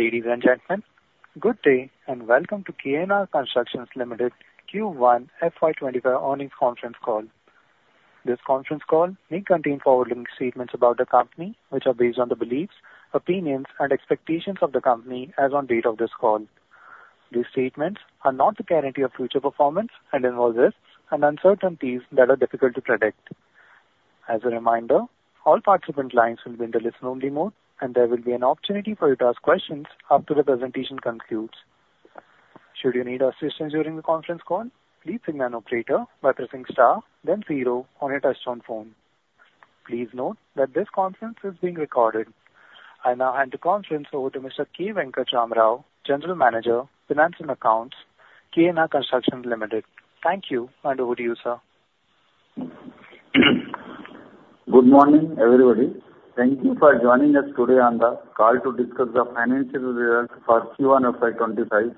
Ladies and gentlemen, good day, and welcome to KNR Constructions Limited Q1 FY25 Earnings Conference Call. This conference call may contain forward-looking statements about the company, which are based on the beliefs, opinions, and expectations of the company as on date of this call. These statements are not a guarantee of future performance and involve risks and uncertainties that are difficult to predict. As a reminder, all participant lines will be in the listen-only mode, and there will be an opportunity for you to ask questions after the presentation concludes. Should you need assistance during the conference call, please signal an operator by pressing star then zero on your touchtone phone. Please note that this conference is being recorded. I now hand the conference over to Mr. K. Venkata Ram Rao, General Manager, Finance and Accounts, KNR Constructions Limited. Thank you, and over to you, sir. Good morning, everybody. Thank you for joining us today on the call to discuss the financial results for Q1 FY 2025.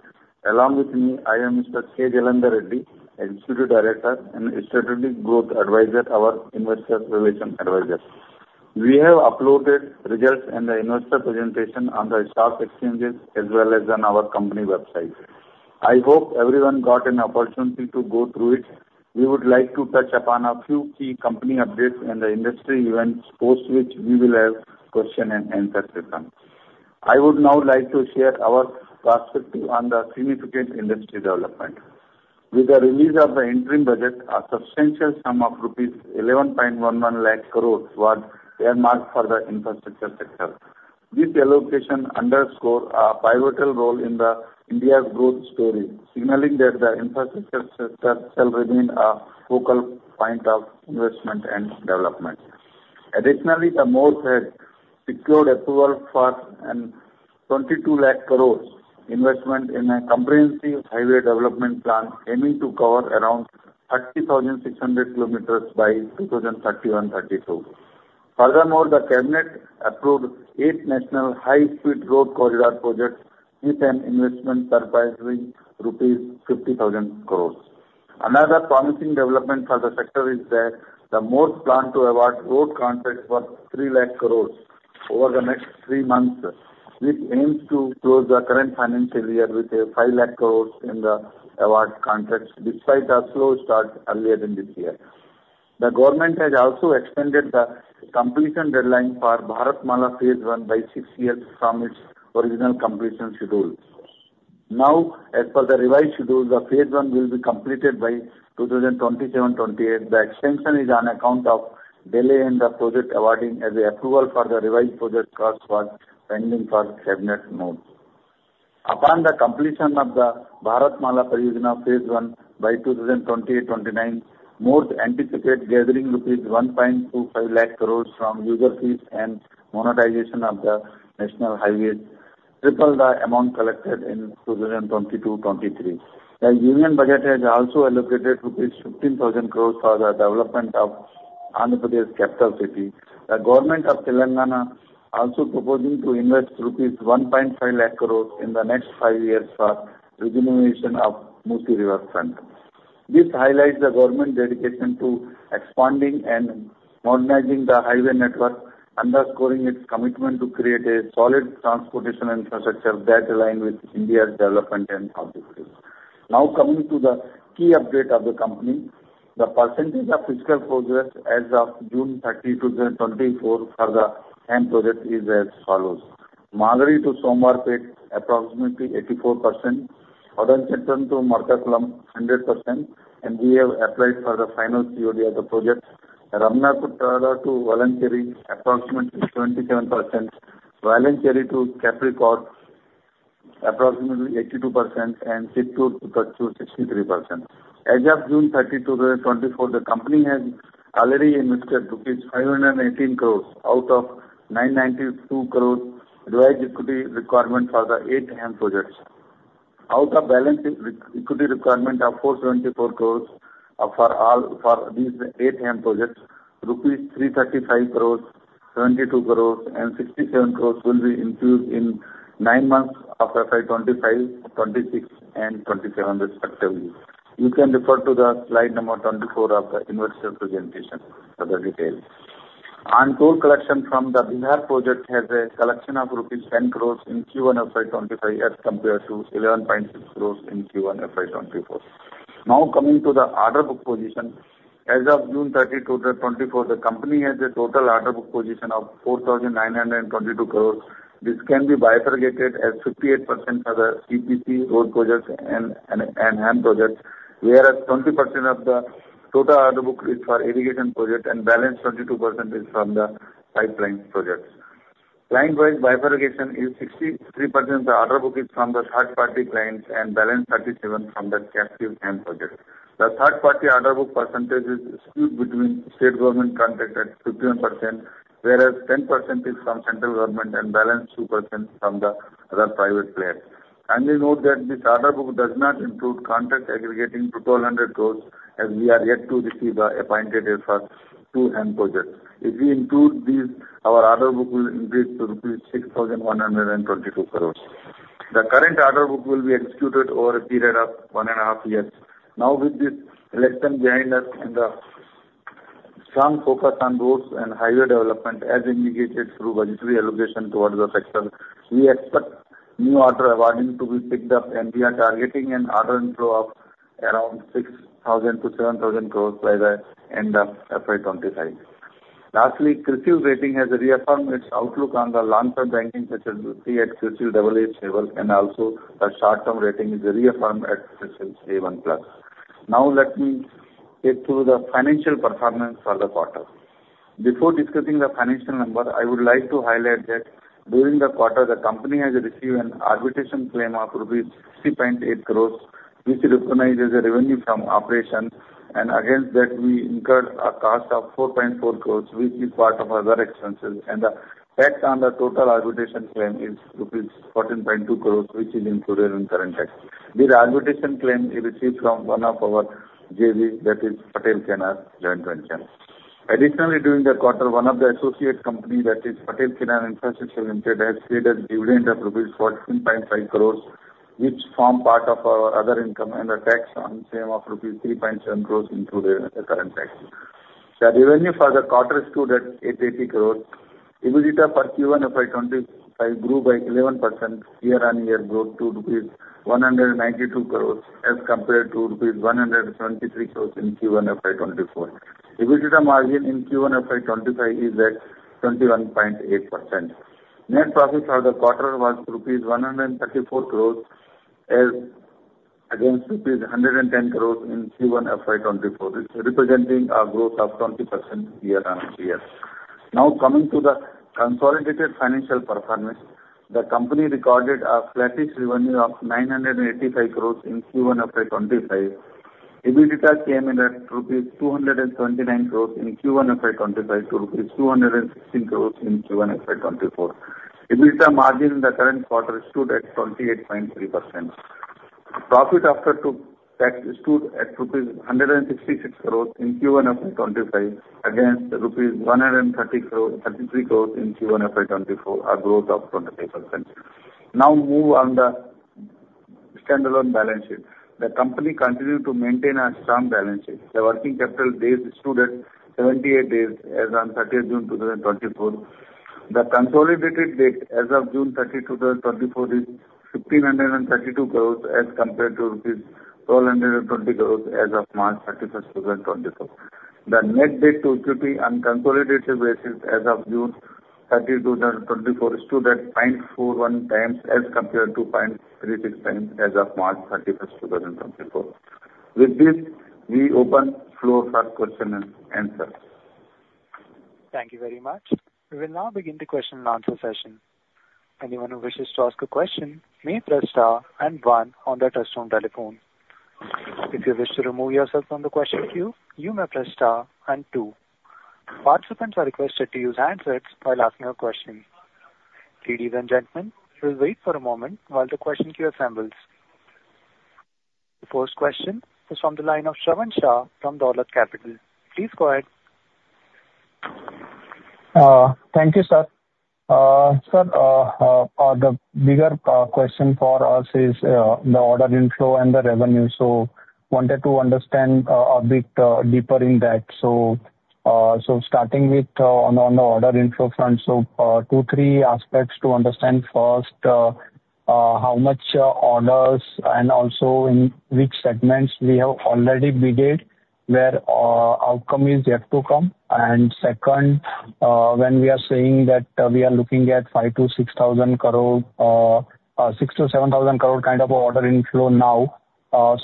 Along with me, I am Mr. K. Jalandhar Reddy, Executive Director and Strategic Growth Advisors, our Investor Relations Advisor. We have uploaded results and the investor presentation on the stock exchanges as well as on our company website. I hope everyone got an opportunity to go through it. We would like to touch upon a few key company updates and the industry events, post which we will have question and answer session. I would now like to share our perspective on the significant industry development. With the release of the interim budget, a substantial sum of rupees 11.11 lakh crores was earmarked for the infrastructure sector. This allocation underscores a pivotal role in India's growth story, signaling that the infrastructure sector shall remain a focal point of investment and development. Additionally, the MoRTH had secured approval for 22 lakh crores investment in a comprehensive highway development plan, aiming to cover around 30,600 km by 2031-32. Furthermore, the cabinet approved eight national high-speed road corridor projects with an investment surpassing INR 50,000 crores. Another promising development for the sector is that the MoRTH plan to award road contracts worth 3 lakh crores over the next three months, which aims to close the current financial year with 5 lakh crores in the award contracts, despite a slow start earlier in this year. The government has also extended the completion deadline for Bharatmala Phase I by six years from its original completion schedule. Now, as for the revised schedule, the Phase One will be completed by 2027-2028. The extension is on account of delay in the project, awarding as the approval for the revised project cost was pending for cabinet note. Upon the completion of the Bharatmala Pariyojana Phase I by 2028-2029, MoRTH anticipates gathering rupees 125,000 crore from user fees and monetization of the national highways, triple the amount collected in 2022-2023. The Union Budget has also allocated rupees 15,000 crore for the development of Andhra Pradesh's capital city. The government of Telangana also proposing to invest rupees 150,000 crore in the next five years for rejuvenation of Musi Riverfront. This highlights the government's dedication to expanding and modernizing the highway network, underscoring its commitment to create a solid transportation infrastructure that align with India's development and objectives. Now, coming to the key update of the company. The percentage of fiscal progress as of June 30, 2024 for the ten projects is as follows: Magadi to Somwarpet, approximately 84%. Oddanchatram to Madathukulam, 100%, and we have applied for the final COD of the project. Ramanattukara to Valanchery, approximately 27%. Valanchery to Kappirikkad, approximately 82%, and Chittoor to Thatchur, 63%. As of June 30, 2024, the company has already invested 518 crore out of 992 crore raised equity requirement for the eight HAM projects. Out of balance equity requirement of 424 crore, for all... For these eight HAM projects, rupees 335 crore, 72 crore and 67 crore will be included in nine months of FY 2025, 2026 and 2027, respectively. You can refer to the slide number 24 of the investor presentation for the details. Onshore collection from the Bihar project has a collection of rupees 10 crore in Q1 FY 2025 as compared to 11.6 crore in Q1 FY 2024. Now, coming to the order book position. As of June 30, 2024, the company has a total order book position of 4,922 crore. This can be bifurcated as 58% for the EPC road projects and HAM projects, whereas 20% of the total order book is for irrigation projects, and balance 32% is from the pipeline projects. Client-wise bifurcation is 63%, the order book is from the third-party clients and balance 37% from the captive HAM projects. The third-party order book percentage is skewed between state government contract at 51%, whereas 10% is from central government and balance 2% from the private players. Kindly note that this order book does not include contracts aggregating to 1,200 crore, as we are yet to receive the Appointed Date for 2 HAM projects. If we include these, our order book will increase to rupees 6,122 crore. The current order book will be executed over a period of one and a half years. Now, with this election behind us and the strong focus on roads and highway development, as indicated through budgetary allocation towards the sector. We expect new order awarding to be picked up, and we are targeting an order inflow of around 6,000-7,000 crore by the end of FY 2025. Lastly, CRISIL Rating has reaffirmed its outlook on the long-term banking sector at CRISIL AA Stable, and also the short-term rating is reaffirmed at CRISIL A1+. Now, let me take you through the financial performance for the quarter. Before discussing the financial number, I would like to highlight that during the quarter, the company has received an arbitration claim of INR 60.8 crore, which recognizes the revenue from operations, and against that, we incurred a cost of 4.4 crore, which is part of our other expenses, and the tax on the total arbitration claim is rupees 14.2 crore, which is included in current tax. This arbitration claim is received from one of our JV, that is Patel KNR Joint Venture. Additionally, during the quarter, one of the associate company, that is Patel KNR Infrastructures Limited, has paid a dividend of rupees 14.5 crore, which form part of our other income, and the tax on same of rupees 3.7 crore included in the current tax. The revenue for the quarter stood at 880 crore. EBITDA for Q1 FY 2025 grew by 11% year-on-year growth to rupees 192 crore as compared to rupees 173 crore in Q1 FY 2024. EBITDA margin in Q1 FY 2025 is at 21.8%. Net profit for the quarter was rupees 134 crore as against rupees 110 crore in Q1 FY 2024, this representing a growth of 20% year-on-year. Now, coming to the consolidated financial performance. The company recorded a flattish revenue of 985 crore in Q1 FY25. EBITDA came in at rupees 229 crore in Q1 FY25 to rupees 216 crore in Q1 FY24. EBITDA margin in the current quarter stood at 28.3%. Profit after tax stood at rupees 166 crore in Q1 FY25 against rupees 133 crore in Q1 FY24, a growth of 28%. Now, moving on to the standalone balance sheet. The company continued to maintain a strong balance sheet. The working capital days stood at 78 days as on 30 June 2024. The consolidated debt as of June 30, 2024, is 1,532 crores as compared to rupees 1,220 crore as of March 31, 2024. The net debt to equity on consolidated basis as of June 30, 2024, stood at 0.41 times, as compared to 0.36 times as of March 31, 2024. With this, we open the floor for question and answer. Thank you very much. We will now begin the question and answer session. Anyone who wishes to ask a question may press star and one on their touchtone telephone. If you wish to remove yourself from the question queue, you may press star and two. Participants are requested to use handsets while asking a question. Ladies and gentlemen, we'll wait for a moment while the question queue assembles. The first question is from the line of Shravan Shah from Dolat Capital. Please go ahead. Thank you, sir. Sir, the bigger question for us is the order inflow and the revenue. So wanted to understand a bit deeper in that. So, so starting with, on the, on the order inflow front, so, two, three aspects to understand. First, how much orders and also in which segments we have already bid it, where outcome is yet to come? And second, when we are saying that, we are looking at 5,000 crore-6,000 crore, six to seven thousand crore kind of order inflow now,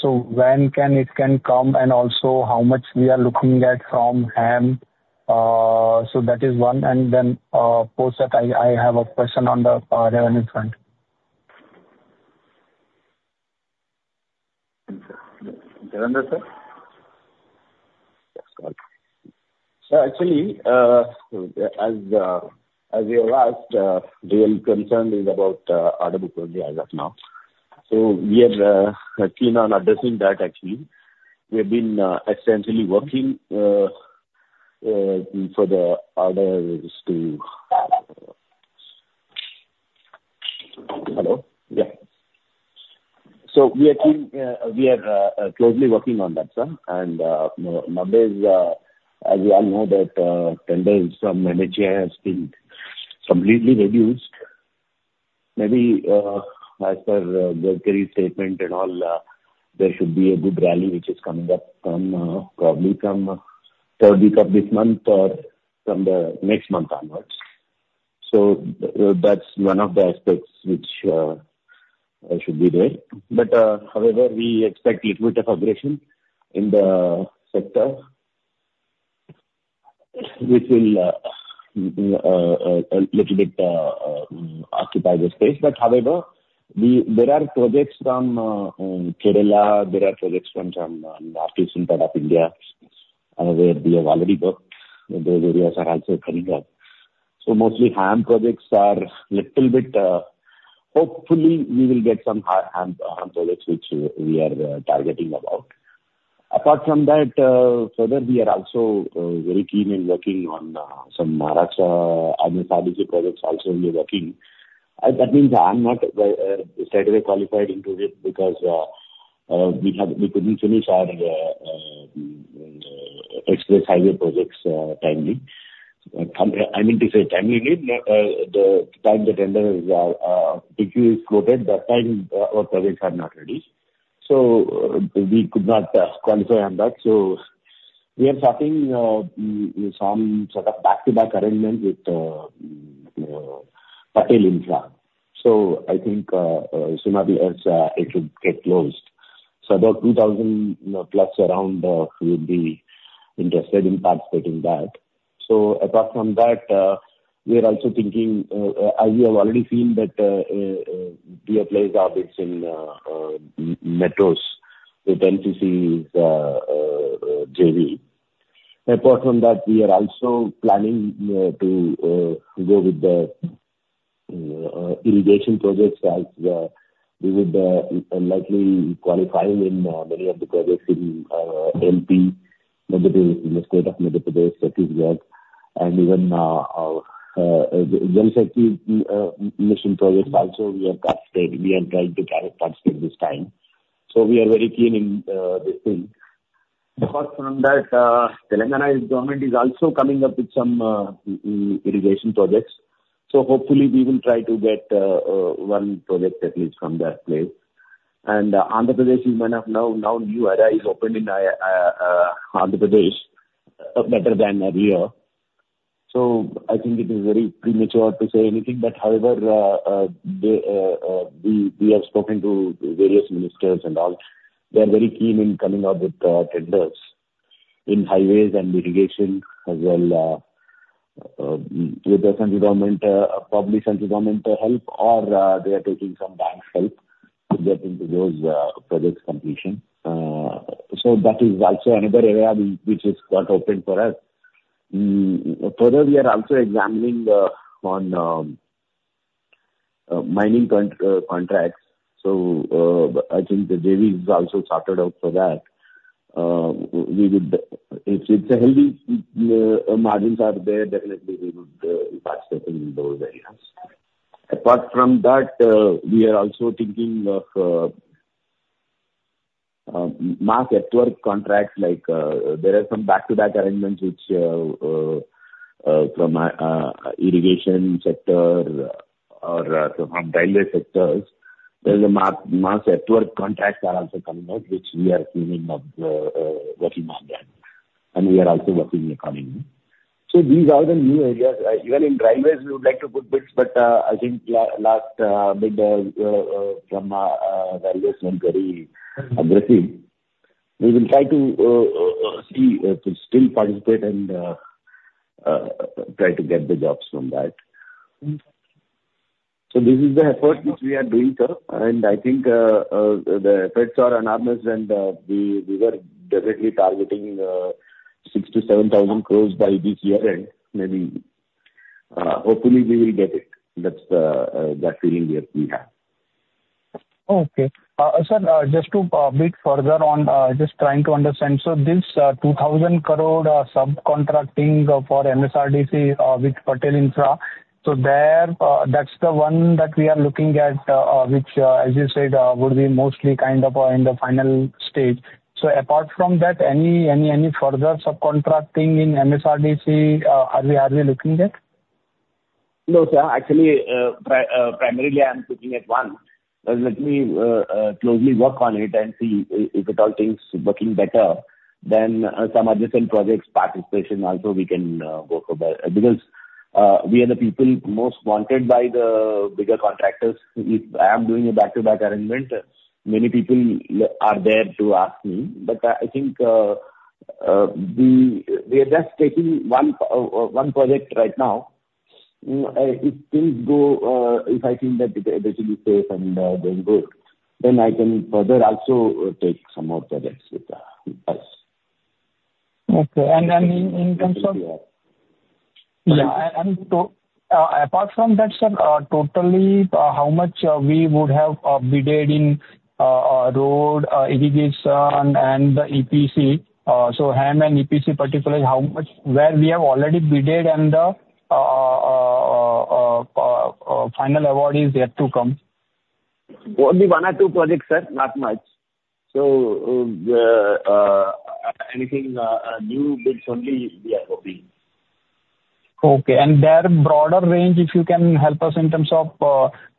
so when can it can come, and also, how much we are looking at from HAM? So that is one. And then, post that, I, I have a question on the revenue front. Sir, actually, as you have asked, real concern is about order book only as of now. So we are keen on addressing that actually. We've been extensively working for the orders to... Hello? Yeah. So we are closely working on that, sir. And now there's, as we all know, that tenders from NHAI has been completely reduced. Maybe, as per our quarterly statement and all, there should be a good rally, which is coming up from probably from third week of this month or from the next month onwards. So that's one of the aspects which should be there. But, however, we expect a little bit of aggression in the sector, which will little bit occupy the space. However, there are projects from Kerala, there are projects from northeast part of India, where we have already got. Those areas are also coming up. So mostly HAM projects are little bit... Hopefully, we will get some HAM projects, which we are targeting about. Apart from that, further, we are also very keen in working on some Maharashtra industrial projects also we are working. That means I'm not straightaway qualified into it because-... we have, we couldn't finish our express highway projects timely. I mean to say timely, the time the tender is, PQ is quoted, that time, our projects are not ready. So, we could not qualify on that. So we are starting some sort of back-to-back arrangement with Patel Infra. So I think, soon as we as, it will get closed. So about 2,000, you know, plus around, would be interested in participating that. So apart from that, we are also thinking, as you have already seen that, we have placed our bids in metros with NCC's JV. Apart from that, we are also planning to go with the irrigation projects as we would likely qualifying in many of the projects in MP, Madhya, the state of Madhya Pradesh, that is work. And even our projects also, we are participating. We are trying to participate this time. So we are very keen in this thing. Apart from that, Telangana government is also coming up with some irrigation projects. So hopefully we will try to get one project at least from that place. And Andhra Pradesh is one of now new era is opened in Andhra Pradesh, better than earlier. So I think it is very premature to say anything, but however, we have spoken to various ministers and all. They are very keen in coming out with tenders in highways and irrigation as well, with the central government public central government help or they are taking some banks' help to get into those projects completion. So that is also another area which is quite open for us. Further, we are also examining on mining contracts. So, I think the JV is also started out for that. We would, if the healthy margins are there, definitely we would participate in those areas. Apart from that, we are also thinking of metro network contracts, like there are some back-to-back arrangements which from irrigation sector or from railway sectors. There is a massive, massive network contracts are also coming out, which we are thinking of, working on them, and we are also working on it. So these are the new areas. Even in railways, we would like to put bids, but I think last bid from railways was very aggressive. We will try to see to still participate and try to get the jobs from that. So this is the effort which we are doing, sir, and I think the efforts are enormous and we were definitely targeting 6,000 crore-7,000 crore by this year, and maybe hopefully we will get it. That's that feeling we are, we have. Okay. Sir, just a bit further on, just trying to understand. So this 2,000 crore subcontracting for MSRDC with Patel Infra, so there, that's the one that we are looking at, which, as you said, would be mostly kind of in the final stage. So apart from that, any further subcontracting in MSRDC, are we looking at? No, sir. Actually, primarily, I'm looking at one. Let me closely work on it and see if at all things working better, then some adjacent projects participation also we can work about. Because we are the people most wanted by the bigger contractors. If I am doing a back-to-back arrangement, many people are there to ask me. But I think we are just taking one project right now. If things go, if I think that it is safe and then good, then I can further also take some more projects with us. Okay. And in terms of- Yeah. Yeah, apart from that, sir, total, how much we would have bidded in road, irrigation, and the EPC? So HAM and EPC particularly, how much where we have already bidded and the final award is yet to come? Only one or two projects, sir, not much. So, anything new, bids only we are hoping. Okay. In the broader range, if you can help us in terms of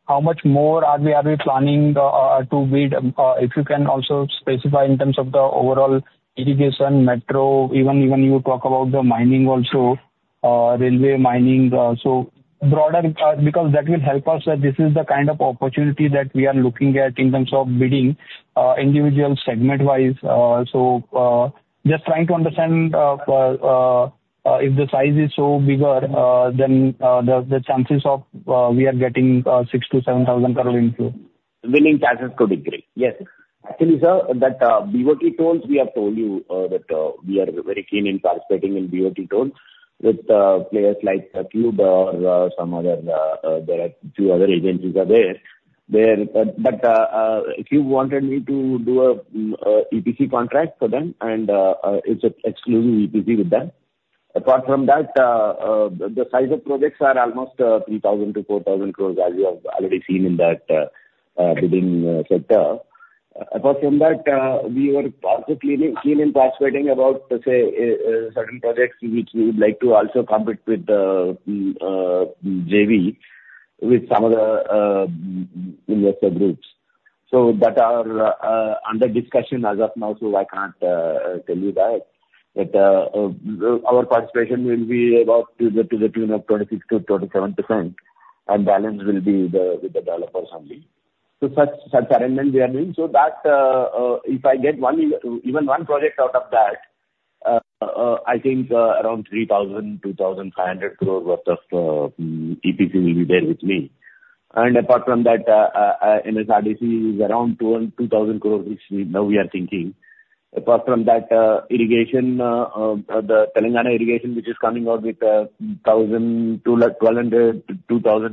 how much more are we planning to bid? If you can also specify in terms of the overall irrigation, metro, even, even you talk about the mining also, railway mining, so broader, because that will help us, that this is the kind of opportunity that we are looking at in terms of bidding, individual segment-wise. So, just trying to understand if the size is so bigger, then the chances of we are getting 6,000 crore-7,000 crore inflow. Winning chances could be great. Yes. Actually, sir, that BOT tolls, we have told you that we are very keen in participating in BOT tolls with players like Cube or some other. There are two other agencies are there. There, but Cube wanted me to do a EPC contract for them, and it's an exclusive EPC with them.... Apart from that, the size of projects are almost 3,000 crore-4,000 crore, as you have already seen in that building sector. Apart from that, we were also keen in participating about, say, certain projects which we would like to also compete with JV with some of the investor groups. Those are under discussion as of now, so I can't tell you that. But our participation will be about to the tune of 26%-27%, and balance will be with the developers only. So such arrangement we are doing, so that if I get one, even one project out of that, I think around 3,250 crore worth of EPC will be there with me. And apart from that, MSRDC is around 2,000 crore rupees, which we now are thinking. Apart from that, irrigation, the Telangana irrigation, which is coming out with 1,200 crore-2,200 crore,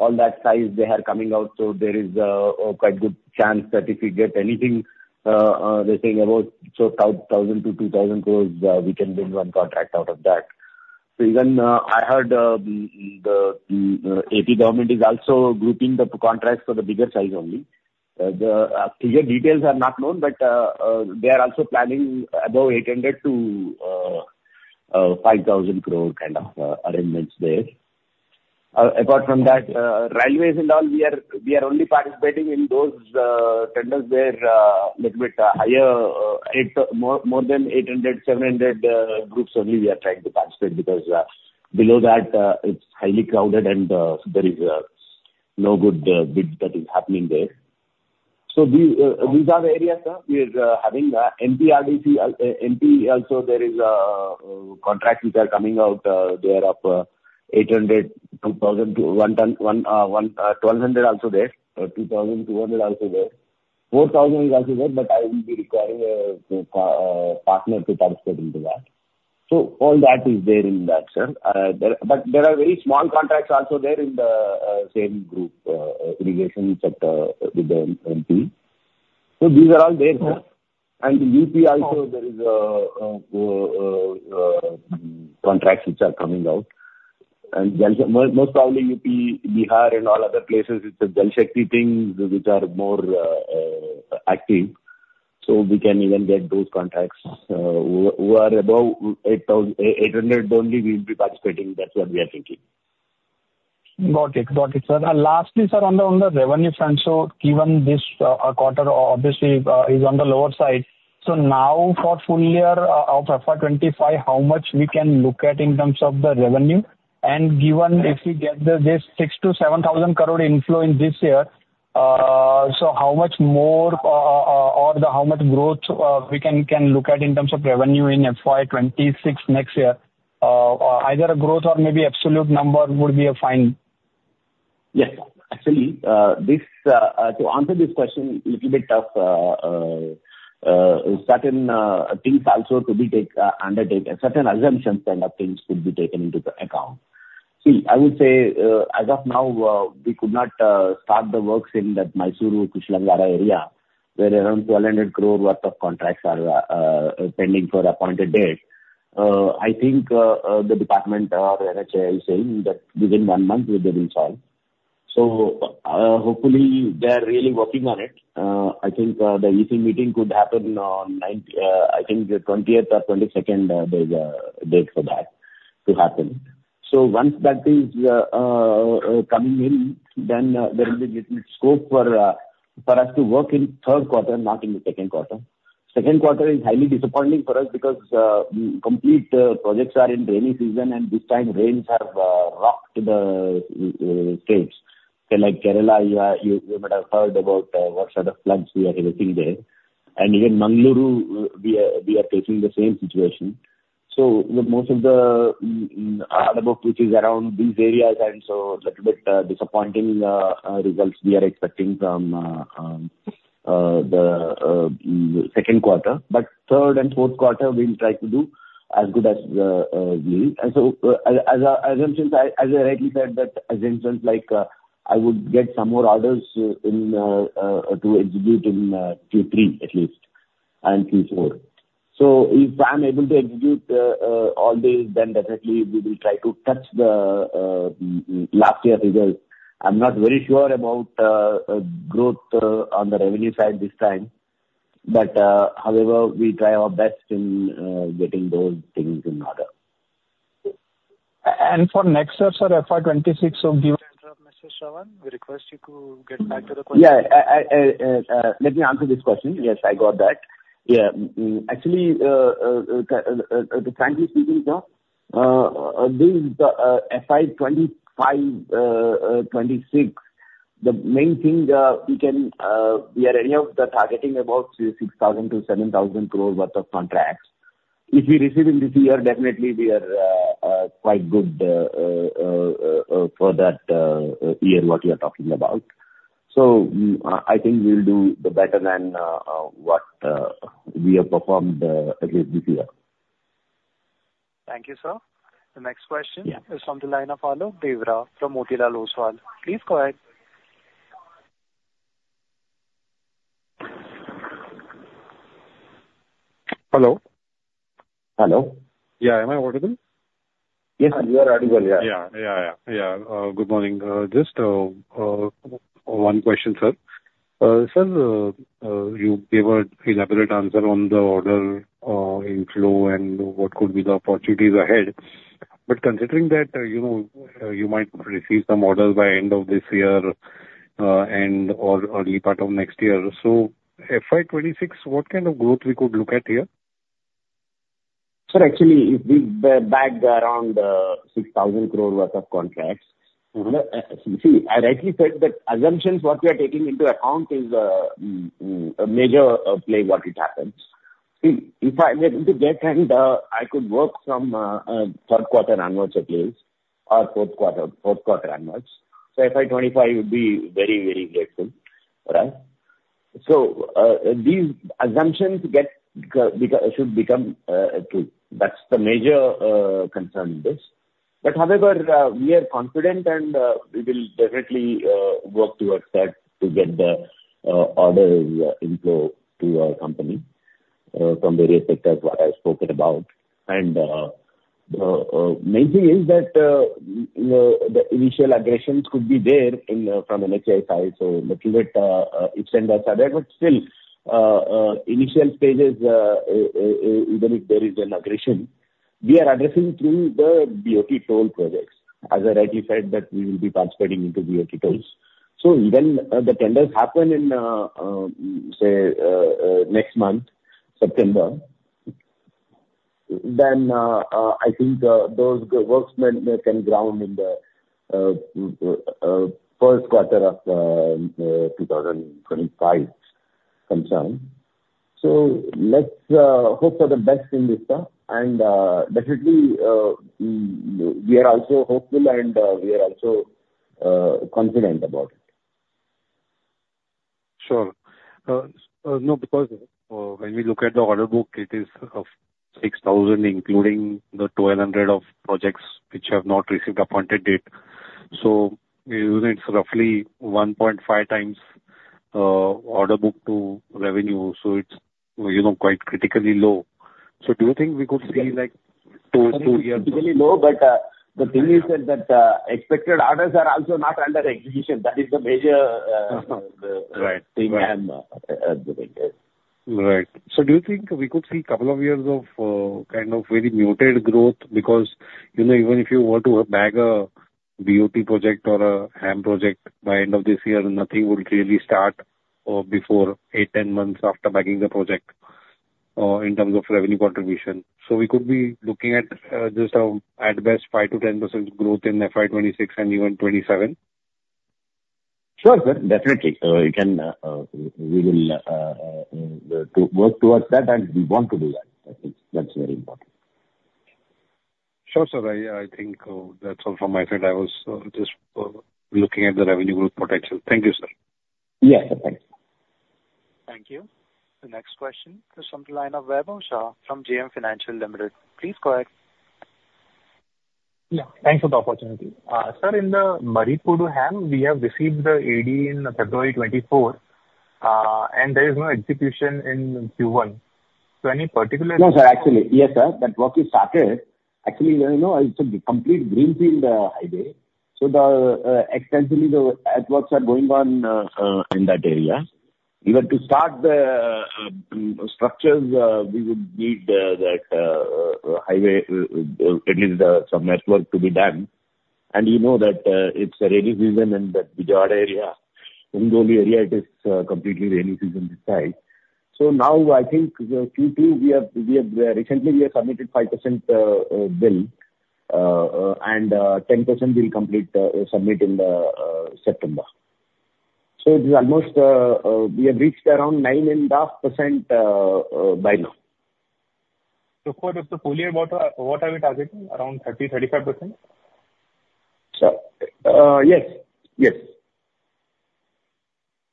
all that size they are coming out, so there is a quite good chance that if we get anything, they're saying about 1,000 crore-2,000 crore, we can win one contract out of that. So even, I heard, the AP government is also grouping the contracts for the bigger size only. The clear details are not known, but they are also planning above 800 crore to 5,000 crore kind of arrangements there. Apart from that, railways and all, we are only participating in those tenders where a little bit higher, more than 800, 700 crores only we are trying to participate, because below that it's highly crowded and there is no good bid that is happening there. So these are the areas, sir, we are having MSRDC, NHAI also, there is a contract which are coming out, they are of 800, 2000 to 1000, 1100 also there. 2200 also there. 4000 is also there, but I will be requiring a partner to participate into that. So all that is there in that, sir. But there are very small contracts also there in the same group, irrigation sector with the MP. So these are all there, sir. Okay. And UP also- Okay. There is a contracts which are coming out. And Jal Shakti, most probably UP, Bihar and all other places, it's a Jal Shakti thing which are more active, so we can even get those contracts. Who are above 800 only, we'll be participating. That's what we are thinking. Got it. Got it, sir. And lastly, sir, on the revenue front, so given this quarter obviously is on the lower side, so now for full year of FY 25, how much we can look at in terms of the revenue? And given if we get this 6,000-7,000 crore inflow in this year, so how much more or the how much growth we can look at in terms of revenue in FY 26 next year? Either a growth or maybe absolute number would be fine. Yes. Actually, this, to answer this question, little bit of certain things also to be take, undertake. Certain assumptions and things could be taken into the account. See, I would say, as of now, we could not start the works in that Mysuru-Kushalnagar area, where around 1,200 crore worth of contracts are pending for Appointed Date. I think the department, NHAI is saying that within one month it will be solved. So, hopefully they are really working on it. I think the EC meeting could happen on ninth, I think the twentieth or twenty-second, there's a date for that to happen. So once that is coming in, then there will be little scope for us to work in third quarter, not in the second quarter. Second quarter is highly disappointing for us because complete projects are in rainy season, and this time rains have rocked the states. So like Kerala, you might have heard about what sort of floods we are getting there. And even Mangaluru, we are facing the same situation. So most of the work which is around these areas, and so little bit disappointing results we are expecting from the second quarter. But third and fourth quarter, we will try to do as good as we. As assumptions, as I rightly said, the assumptions like I would get some more orders to execute in Q3 at least, and Q4. So if I'm able to execute all these, then definitely we will try to touch the last year's results. I'm not very sure about growth on the revenue side this time, but however, we try our best in getting those things in order. And for next year, sir, FY 2026, so given-... Mr. Shravan, we request you to get back to the question. Yeah, I, let me answer this question. Yes, I got that. Yeah. Mm, actually, frankly speaking now, this FY 2025-2026, the main thing, we can, we are any of the targeting about 6,000-7,000 crore worth of contracts. If we receive in this year, definitely we are quite good for that year what we are talking about. So, I think we'll do the better than what we have performed again this year. Thank you, sir. The next question- Yeah. is from the line of Alok Deora, from Motilal Oswal. Please go ahead.... Hello? Hello. Yeah. Am I audible? Yes, sir, you are audible. Yeah. Yeah, yeah, yeah. Yeah, good morning. Just one question, sir. Sir, you gave an elaborate answer on the order inflow and what could be the opportunities ahead. But considering that, you know, you might receive some orders by end of this year, and or early part of next year, so FY 26, what kind of growth we could look at here? Sir, actually, if we bagged around 6,000 crore worth of contracts. See, I rightly said that assumptions, what we are taking into account is a major play, what it happens. See, if I were to get and I could work from third quarter onwards at least, or fourth quarter, fourth quarter onwards, so FY 2025 would be very, very grateful, right? So these assumptions get become should become true. That's the major concern in this. But however, we are confident and we will definitely work towards that to get the order inflow to our company from various sectors what I spoken about. The main thing is that the initial aggressions could be there from NHAI side, so little bit extent are there. Still, initial stages, even if there is an aggression, we are addressing through the BOT toll projects, as I rightly said, that we will be participating into BOT tolls. Even, the tenders happen in, say, next month, September, then, I think, those works then can ground in the first quarter of 2025 sometime. Let's hope for the best in this, sir, and, definitely, we are also hopeful, and we are also confident about it. Sure. No, because when we look at the order book, it is 6,000, including the 1,200 of projects which have not received Appointed Date. So even it's roughly 1.5 times order book to revenue, so it's, you know, quite critically low. So do you think we could see, like, two, two years- Critically low, but, the thing is that, expected orders are also not under execution. That is the major, Uh, right The thing I'm addressing here. Right. So do you think we could see a couple of years of kind of very muted growth? Because, you know, even if you were to bag a BOT project or a HAM project by end of this year, nothing would really start before 8-10 months after bagging the project in terms of revenue contribution. So we could be looking at just at best 5%-10% growth in FY 2026 and even 2027? Sure, sir, definitely. We can, we will, to work towards that, and we want to do that. That is, that's very important. Sure, sir. I think that's all from my side. I was just looking at the revenue growth potential. Thank you, sir. Yeah, thank you. Thank you. The next question is from the line of Vaibhav Shah from JM Financial Limited. Please go ahead. Yeah, thanks for the opportunity. Sir, in the Marripudi HAM, we have received the AD in February 2024, and there is no execution in Q1. So any particular- No, sir, actually. Yes, sir, that work is started. Actually, you know, it's a complete greenfield highway, so extensively the earthworks are going on in that area. Even to start the structures, we would need that highway at least some network to be done. And you know that, it's a rainy season in that Bihar area. In those areas, it is completely rainy season this time. So now, I think the Q2, we have recently we have submitted 5% bill, and 10% bill complete submit in the September. So it is almost we have reached around 9.5% by now. For the full year quarter, what are we targeting? Around 30%-35%? Yes. Yes.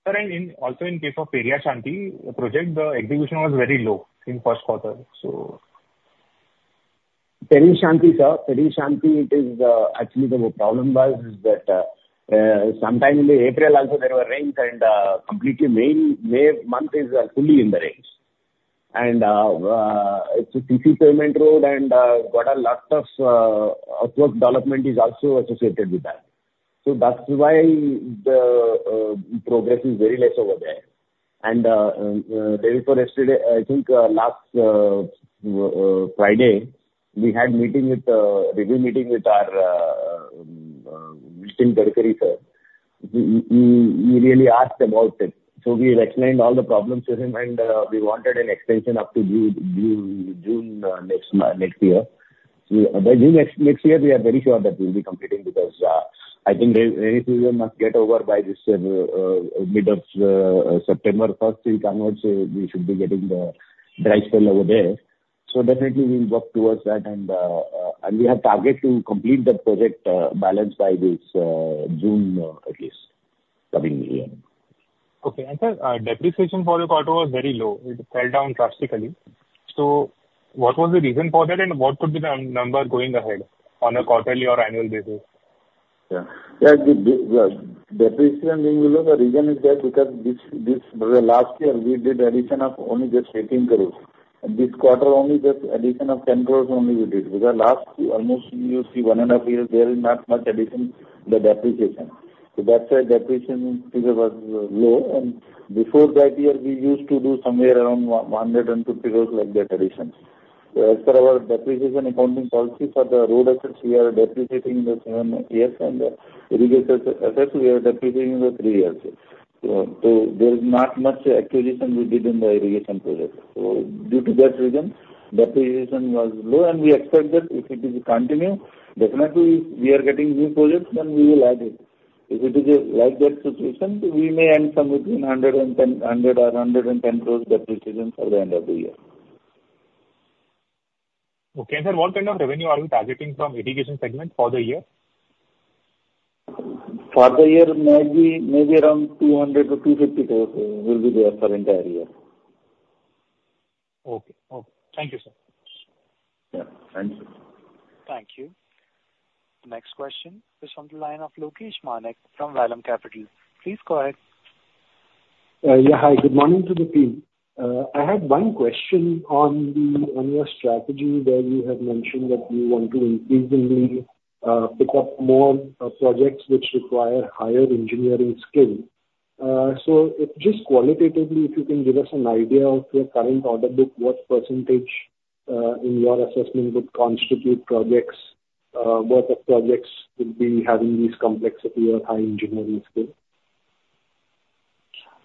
Sir, also in case of Periyashanti project, the execution was very low in first quarter, so. Periyashanti, sir. Periyashanti, it is, actually, the problem was, is that, sometime in April also there were rains, and, completely May, May month is fully in the rains. And, it's an EPC payment road, and, quite a lot of, of work development is also associated with that. So that's why the, progress is very less over there. And, therefore, yesterday, I think, last, w- Friday, we had a review meeting with Periyashanti, sir. He really asked about it, so we have explained all the problems to him, and, we wanted an extension up to June, June, June, next month, next year. So by June next, next year, we are very sure that we'll be completing, because I think rainy season must get over by this mid of September. First week onwards, we should be getting the dry spell over there. So definitely we'll work towards that, and and we have target to complete the project balance by this June, at least, coming year. Okay. And, sir, depreciation for the quarter was very low. It fell down drastically. So what was the reason for that, and what could be the n-number going ahead on a quarterly or annual basis?... Yeah, yeah, the depreciation being below, the reason is that because this last year, we did addition of only just 18 crore, and this quarter, only just addition of 10 crore only we did. Because last almost you see 1.5 year, there is not much addition to the depreciation. So that's why depreciation figure was low, and before that year, we used to do somewhere around 150 crore, like that, additions. As per our depreciation accounting policy for the road assets, we are depreciating in the 7 years, and the irrigation assets, we are depreciating in the 3 years. So there is not much acquisition we did in the irrigation project. Due to that reason, depreciation was low, and we expect that if it is continue, definitely we are getting new projects, then we will add it. If it is like that situation, we may earn some between 100 and 110, 100 or INR 100 and 110 crores depreciation for the end of the year. Okay. And sir, what kind of revenue are you targeting from irrigation segment for the year? For the year, maybe, maybe around 200-250 crore will be there for entire year. Okay. Okay. Thank you, sir. Yeah, thank you. Thank you. The next question is on the line of Lokesh Manik from Vallum Capital. Please go ahead. Yeah. Hi, good morning to the team. I had one question on your strategy, where you have mentioned that you want to increasingly pick up more projects which require higher engineering skill. So if just qualitatively, if you can give us an idea of your current order book, what percentage, in your assessment, would constitute projects, what the projects would be having these complexity or high engineering skill?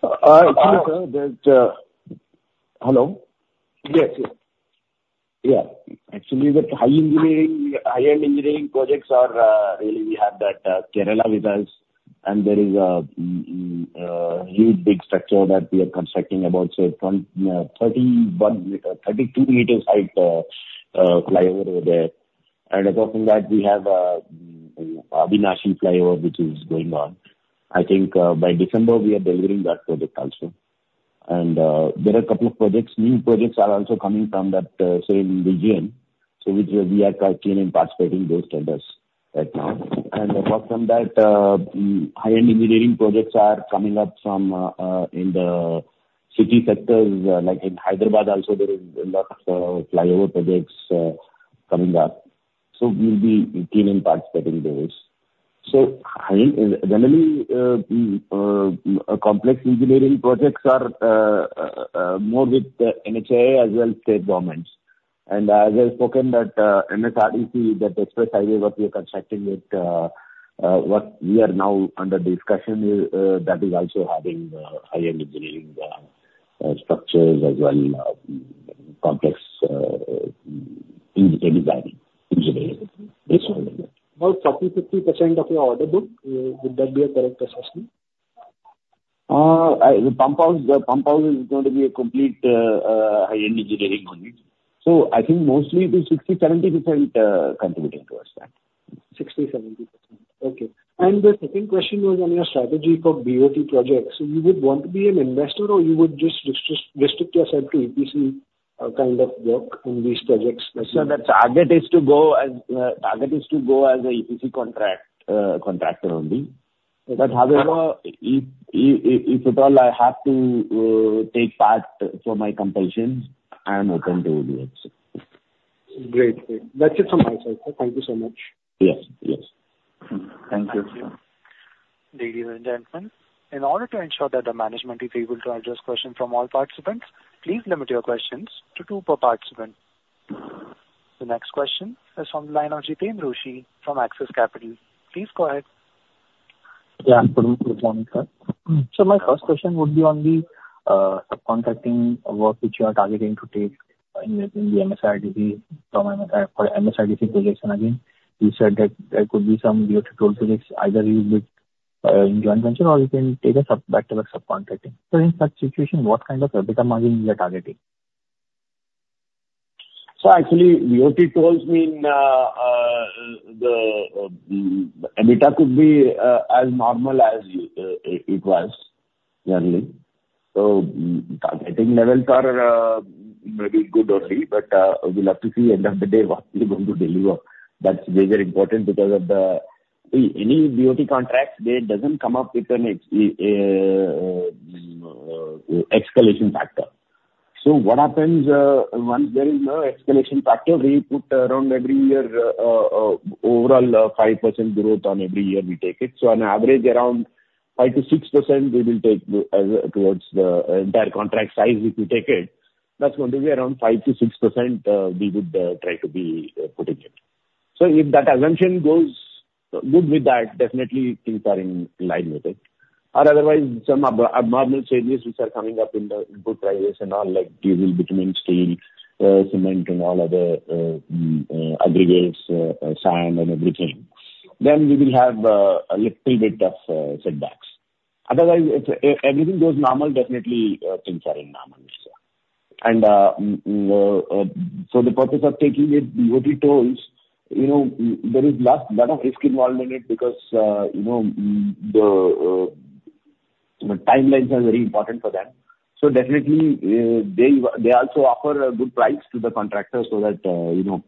Sir, there's... Hello? Yes. Yeah. Actually, the high engineering, high-end engineering projects are really we have that Kerala with us, and there is a huge, big structure that we are constructing, about, say, around 31-32 meters height flyover there. And apart from that, we have Avinashi flyover, which is going on. I think by December, we are delivering that project also. And there are a couple of projects. New projects are also coming from that same region, so which we are continuing participating those tenders right now. And apart from that, high-end engineering projects are coming up from in the city sectors. Like in Hyderabad also, there is a lot of flyover projects coming up, so we'll be continuing participating those. So I think generally, complex engineering projects are more with the NHAI as well as state governments. As I've spoken that, MSRDC, that express highway what we are constructing with, what we are now under discussion is, that is also having high-end engineering structures as well, complex in design, engineering. About 40%-50% of your order book, would that be a correct assessment? I, the pump house, the pump house is going to be a complete, high-end engineering project. So I think mostly it will 60%-70% contributing towards that. 60%-70%. Okay. The second question was on your strategy for BOT projects. You would want to be an investor, or you would just restrict yourself to EPC kind of work in these projects? So that target is to go as a EPC contract, contractor only. But however, if at all, I have to take part for my compulsions, I am open to BOT also. Great. Great. That's it from my side, sir. Thank you so much. Yes. Yes. Thank you. Thank you. Ladies and gentlemen, in order to ensure that the management is able to address questions from all participants, please limit your questions to two per participant. The next question is on the line of Jiten Rushi from Axis Capital. Please go ahead. Yeah. Good morning, sir. So my first question would be on the subcontracting work, which you are targeting to take in the MSRDC, from, for MSRDC project. And again, you said that there could be some BOT toll projects, either you with joint venture or you can take a sub-back to the subcontracting. So in such situation, what kind of EBITDA margin you are targeting? So actually, BOT tolls mean the EBITDA could be as normal as it was yearly. So targeting levels are maybe good only, but we'll have to see end of the day what we're going to deliver. That's very, very important because of the any BOT contract. It doesn't come up with an escalation factor. So what happens once there is no escalation factor, we put around every year overall 5% growth on every year we take it. So on average, around 5%-6%, we will take towards the entire contract size, if you take it. That's going to be around 5%-6%, we would try to be putting it. So if that assumption goes good with that, definitely things are in line with it. Or otherwise, some abnormal changes which are coming up in the input prices and all, like diesel, bitumen, steel, cement, and all other aggregates, sand and everything, then we will have a little bit of setbacks. Otherwise, if everything goes normal, definitely things are in normal, yes, sir. And so the process of taking it, BOT tolls, you know, there is less lot of risk involved in it because, you know, the... So the timelines are very important for them. So definitely, they, they also offer good price to the contractors so that, you know,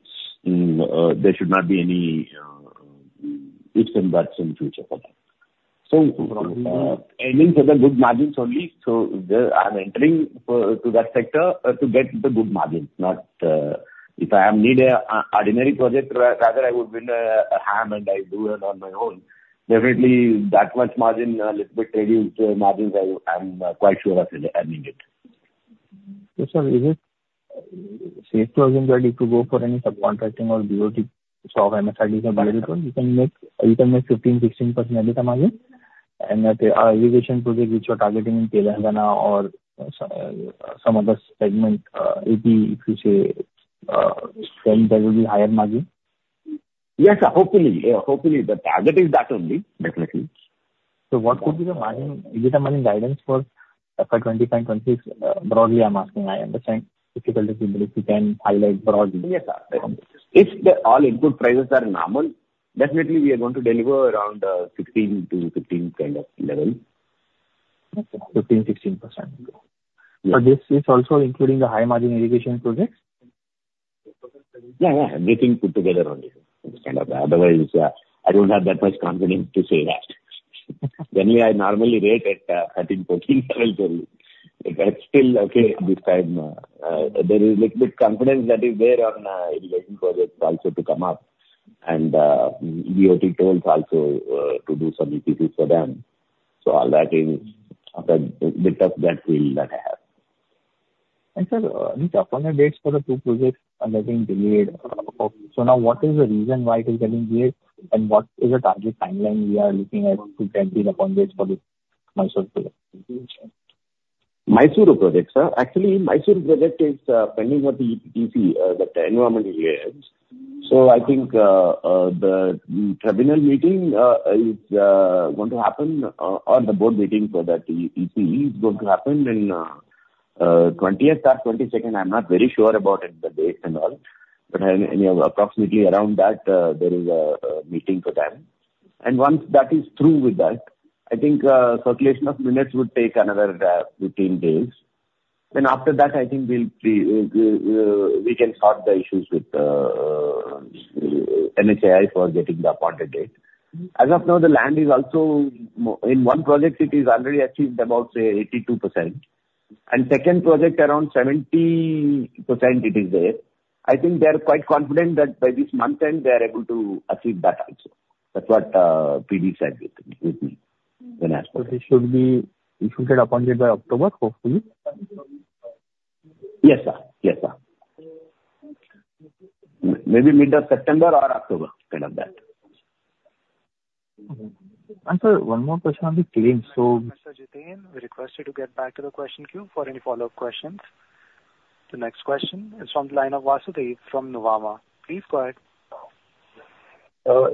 there should not be any ifs and buts in future for them. Aiming for the good margins only, so I'm entering for to that sector to get the good margins, not if I am need a ordinary project, rather I would win a HAM and I do it on my own. Definitely, that much margin, little bit reduced margins, I'm quite sure of it, I mean it. So sir, is it safe to say that if you go for any subcontracting or BOT of NHAI, you can make, you can make 15%-16% EBITDA margin? And the irrigation project which you are targeting in Telangana or some other segment, AP, if you say, then there will be higher margin? Yes, sir, hopefully. Yeah, hopefully, the target is that only, definitely. So what could be the margin, is there a margin guidance for FY 25, 26? Broadly, I'm asking. I understand difficulty, but if you can highlight broadly. Yes, sir. If the all input prices are normal, definitely we are going to deliver around 16-15 kind of level. Okay. 15%-16%. Yeah. This is also including the high margin irrigation projects? Yeah, yeah. Everything put together only, kind of. Otherwise, I don't have that much confidence to say that. Generally, I normally rate at 13, 14 level only. But still, okay, this time, there is little bit confidence that is there on irrigation projects also to come up and BOT tolls also to do some EPC for them. So all that is of the bit of that feel that I have. Sir, the appointed dates for the two projects are getting delayed. So now what is the reason why it is getting delayed, and what is the target timeline we are looking at to complete the appointed dates for the Mysuru project? Mysuru projects, actually, Mysuru project is pending on the EPC, the environmental clearance. So I think, the tribunal meeting is going to happen, or the board meeting for that EPC is going to happen in, twentieth or twenty-second. I'm not very sure about it, the date and all, but any, any, approximately around that, there is a meeting for them. And once that is through with that, I think, circulation of minutes would take another, fifteen days. Then after that, I think we'll be, we can sort the issues with, NHAI for getting the appointed date. As of now, the land is also in one project it is already achieved about, say, 82%. And second project, around 70% it is there. I think they are quite confident that by this month end, they are able to achieve that also. That's what, PD said with me, with me when I asked. It should be, we should get appointed by October, hopefully? Yes, sir. Yes, sir. Maybe mid of September or October, kind of that. Mm-hmm. And, sir, one more question on the claim, so. Mr. Jiten, we request you to get back to the question queue for any follow-up questions. The next question is from the line of Vasudev from Nuvama. Please go ahead.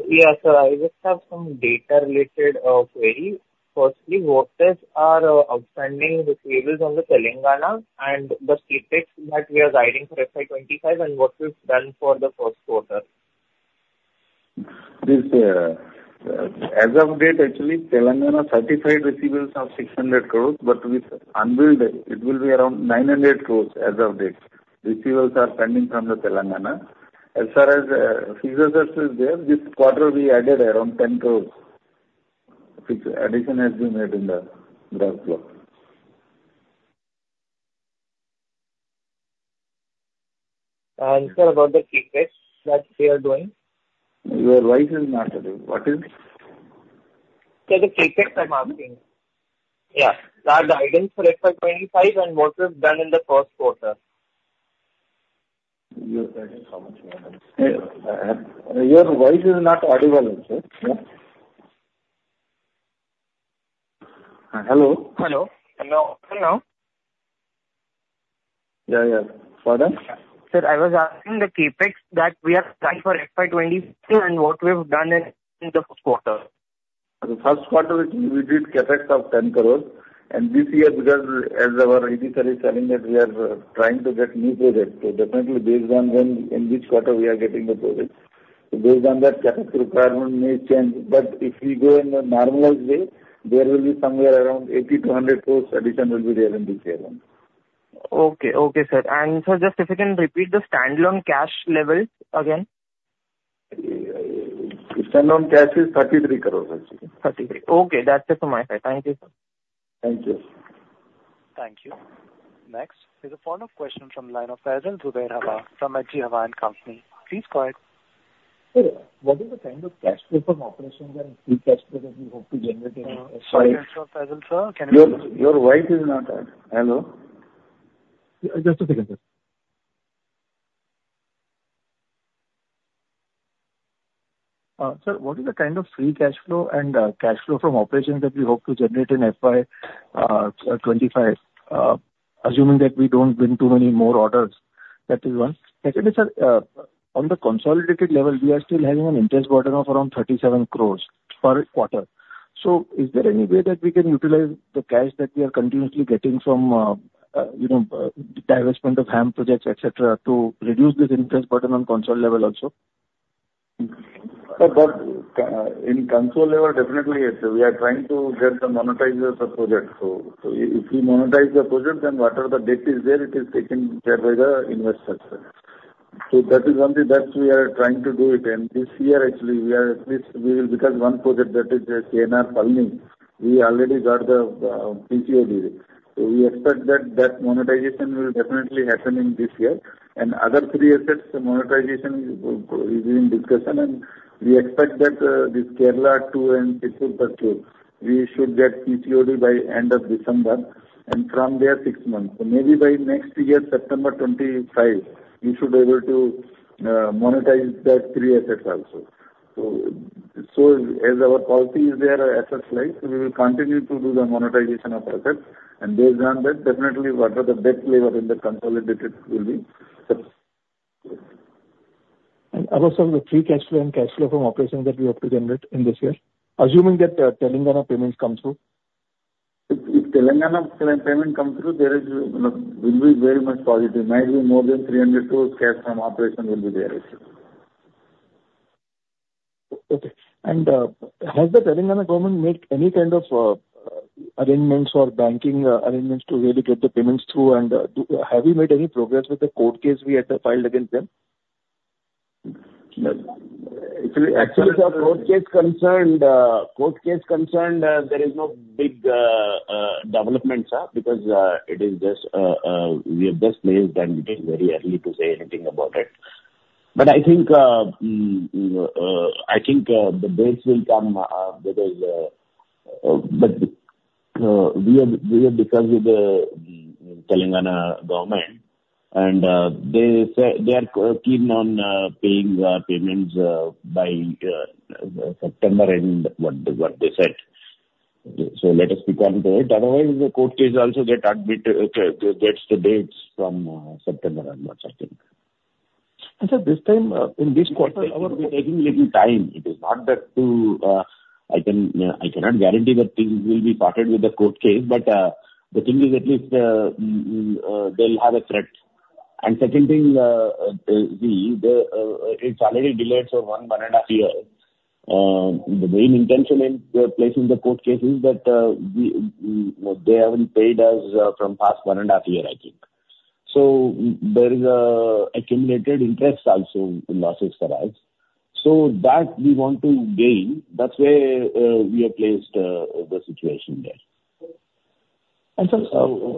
Yes, sir, I just have some data related query. Firstly, what is our outstanding receivables on the Telangana and the CapEx that we are guiding for FY 25, and what we've done for the first quarter? This, as of date, actually, Telangana certified receivables are 600 crore, but with unbilled, it will be around 900 crore as of date. Receivables are pending from Telangana. As far as fixed assets is there, this quarter we added around 10 crore, which addition has been made in the gross block. Sir, about the CapEx that we are doing? Your voice is not clear. What is? Sir, the CapEx I'm asking. Yeah. The guidance for FY 25 and what is done in the first quarter. Your voice is not audible, sir. Hello? Hello. Hello. Hello. Yeah, yeah. Pardon? Sir, I was asking the CapEx that we are planning for FY 2022, and what we've done in the first quarter. In the first quarter, we did CapEx of 10 crore. This year, because as our AD sir is telling that we are trying to get new projects, so definitely based on when, in which quarter we are getting the projects. Based on that, CapEx requirement may change, but if we go in a normalized way, there will be somewhere around 80-100 crore addition will be there in this year around. Okay. Okay, sir. Sir, just if you can repeat the standalone cash levels again. Standalone cash is 33 crore. 33. Okay, that's it from my side. Thank you, sir. Thank you. Thank you. Next is a follow-up question from line of Faisal Zubair Hawa from H.G. Hawa & Co. Please go ahead. Sir, what is the kind of cash flow from operations and free cash flow that we hope to generate in FY? Sorry, Faisal, sir, can you- Your voice is not clear. Hello? Just a second, sir. Sir, what is the kind of free cash flow and cash flow from operations that we hope to generate in FY 2025? Assuming that we don't win too many more orders. That is one. Secondly, sir, on the consolidated level, we are still having an interest burden of around 37 crore per quarter. So is there any way that we can utilize the cash that we are continuously getting from, you know, divestment of HAM projects, et cetera, to reduce this interest burden on consolidated level also? But, in consol level, definitely, we are trying to get some monetization of projects. So, if we monetize the projects, then whatever the debt is there, it is taken care by the investors. So that is something that we are trying to do, and this year actually, at least we will, because one project that is KNR Palani, we already got the PCOD. So we expect that monetization will definitely happen in this year. And other three assets, the monetization is in discussion, and we expect that this Kerala two and three, four, we should get PCOD by end of December, and from there, six months. So maybe by next year, September 25, we should be able to monetize that three assets also. So, as our policy is there, our assets like, we will continue to do the monetization of assets, and based on that, definitely, what are the debt level in the consolidated will be. And also, the free cash flow and cash flow from operations that we hope to generate in this year, assuming that, Telangana payments come through? If Telangana payment come through, there is, you know, will be very much positive, might be more than 300 crore cash from operation will be there. Okay. And, has the Telangana government made any kind of, arrangements or banking arrangements to really get the payments through? And, have you made any progress with the court case we had, filed against them? Actually, as far as court case concerned, there is no big developments because it is just we have just placed and it is very early to say anything about it. But I think the dates will come because we have discussed with the Telangana government, and they say they are keen on paying payments by September end, what they said. So let us stick on to it. Otherwise, the court case also gets the dates from September and what September. And so this time, in this quarter- We are taking little time. It is not that to I can I cannot guarantee that things will be sorted with the court case, but the thing is at least they'll have a threat. Second thing, the it's already delayed for 1.5 year. The main intention in placing the court case is that they haven't paid us from past 1.5 year, I think. So there is an accumulated interest also in losses for us. So that we want to gain. That's where we have placed the situation there. And so-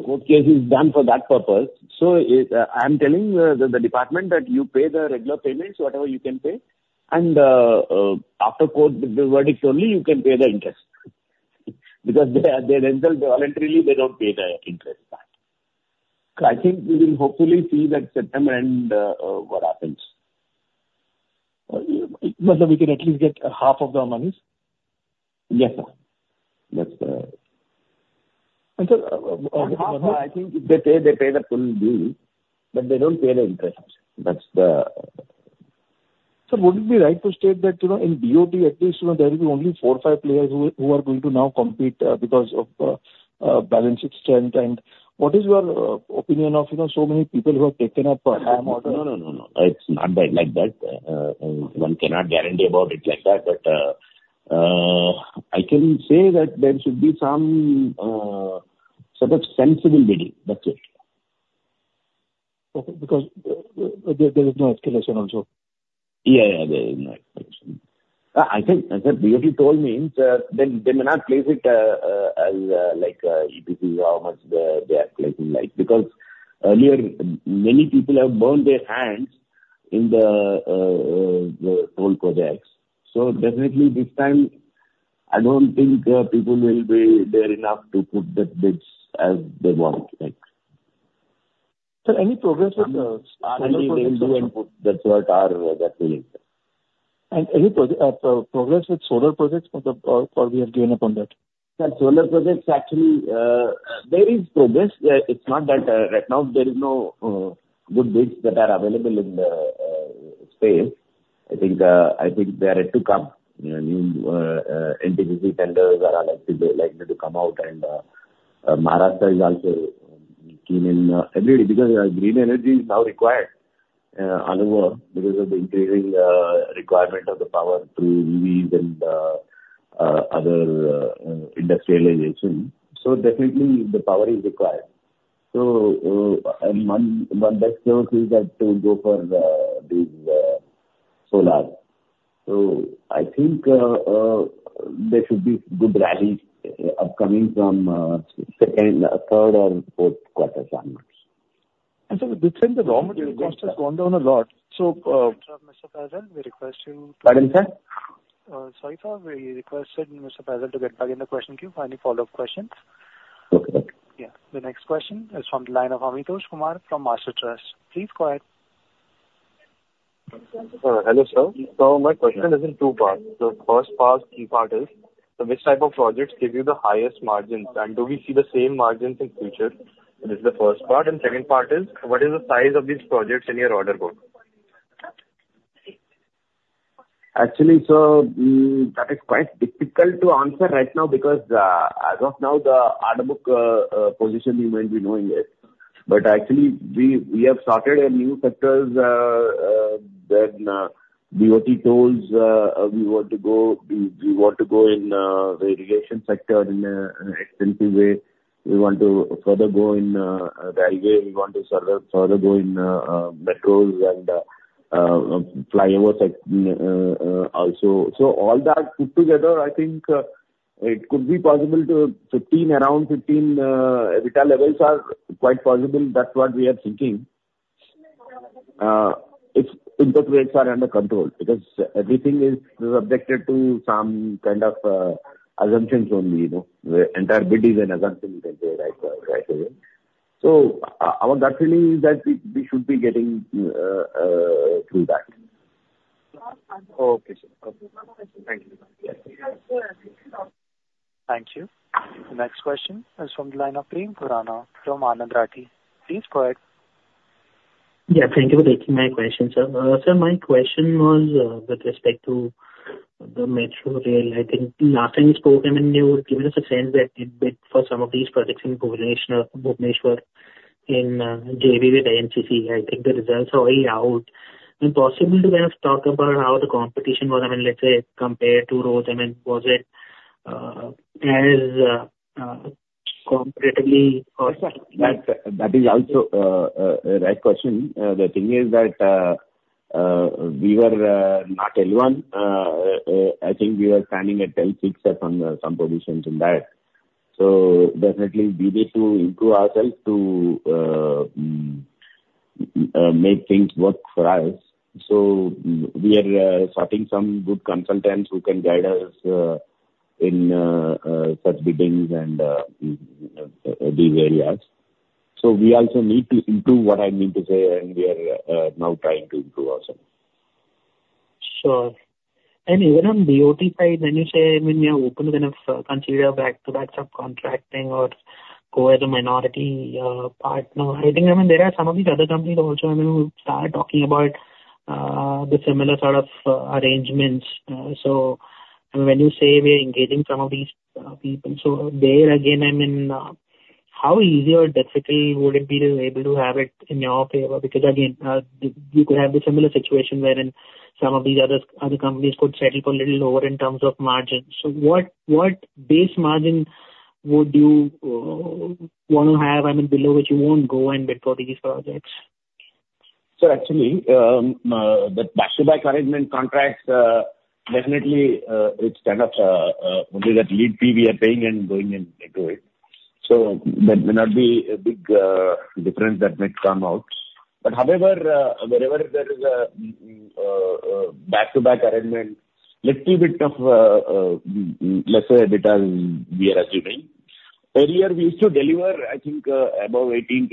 Court case is done for that purpose. So it, I'm telling, the department that you pay the regular payments, whatever you can pay, and, after court, the verdict only you can pay the interest. Because they, they themselves, voluntarily, they don't pay the interest back. I think we will hopefully see that September end, what happens. But we can at least get half of the monies? Yes, sir. That's the- And, sir, Half, I think if they pay, they pay the full bill, but they don't pay the interest. That's the... Sir, would it be right to state that, you know, in BOT, at least, you know, there will be only four or five players who are going to now compete because of balance sheet strength? What is your opinion of, you know, so many people who have taken up HAM? No, no, no, no, it's not that, like that. One cannot guarantee about it like that, but, I can say that there should be some sort of sensible bidding. That's it. Okay, because there is no escalation also. Yeah, yeah, there is no escalation. I think, as per the BOT model, then they may not place it as like EPC, how much they are placing like, because earlier, many people have burned their hands in the toll projects. So definitely this time, I don't think people will be there enough to put the bids as they want, like. Sir, any progress with? That's what are the feeling. Any progress with solar projects or we have given up on that? Sir, solar projects actually, there is progress. It's not that right now there is no good bids that are available in the space. I think, I think they are yet to come. New NTPC tenders are likely, they likely to come out and Maharashtra is also keen in energy, because green energy is now required, other more because of the increasing requirement of the power through EVs and other industrialization. So definitely, the power is required. So, and one best source is that to go for these solars. So I think, there should be good rallies upcoming from second, third or fourth quarter onwards. And so within the raw material costs have gone down a lot. So, Mr. Hawa, we request you- Pardon, sir? Sorry, sir. We request, sir, Mr. Hawa, to get back in the question queue for any follow-up questions. Okay, thank you. Yeah. The next question is from the line of Amitosh Kumar from Mastertrust. Please go ahead. Hello, sir. So my question is in two parts. The first part, key part is, so which type of projects give you the highest margins, and do we see the same margins in future? This is the first part, and second part is, what is the size of these projects in your order book? Actually, sir, that is quite difficult to answer right now because, as of now, the order book position you might be knowing it. But actually, we have started a new sectors, then BOT tolls, we want to go, we want to go in the irrigation sector in an extensive way. We want to further go in railway, we want to further go in metros and flyover sector also. So all that put together, I think, it could be possible to 15, around 15 revenue levels are quite possible. That's what we are thinking. If the rates are under control, because everything is subjected to some kind of assumptions only, you know. The entire bid is an assumption that they write away. So on that really, that we should be getting through that. Okay, sir. Okay. Thank you. Thank you. The next question is from the line of Prem Khurana from Anand Rathi. Please go ahead. Yeah, thank you for taking my question, sir. Sir, my question was, with respect to the metro rail. I think last time you spoke, I mean, you had given us a sense that you had bid for some of these projects in Bhubaneswar, Bhubaneswar, in, JV with NCC. I think the results are already out. Is it possible to kind of talk about how the competition was, I mean, compared to road, I mean, was it, as, competitively? That, that is also a right question. The thing is that we were not anyone. I think we were standing at 10, 6, or some positions in that. So definitely we need to improve ourselves to make things work for us. So we are starting some good consultants who can guide us in such biddings and these areas. So we also need to improve, what I mean to say, and we are now trying to improve ourselves. Sure. And even on BOT side, when you say, I mean, we are open to kind of consider back-to-back subcontracting or go as a minority partner, I think, I mean, there are some of these other companies also, I mean, who start talking about the similar sort of arrangements. So, I mean, when you say we are engaging some of these people, so there again, I mean, how easy or difficult would it be to able to have it in your favor? Because, again, you could have a similar situation wherein some of these other companies could settle for a little lower in terms of margins. So what, what base margin would you want to have, I mean, below which you won't go and bid for these projects? So actually, the back-to-back arrangement contracts, definitely, it's kind of, only that lead fee we are paying and going and doing. So there may not be a big, difference that might come out. But however, wherever there is a, back-to-back arrangement, little bit of, let's say EBITDA we are assuming. Earlier, we used to deliver, I think, above 18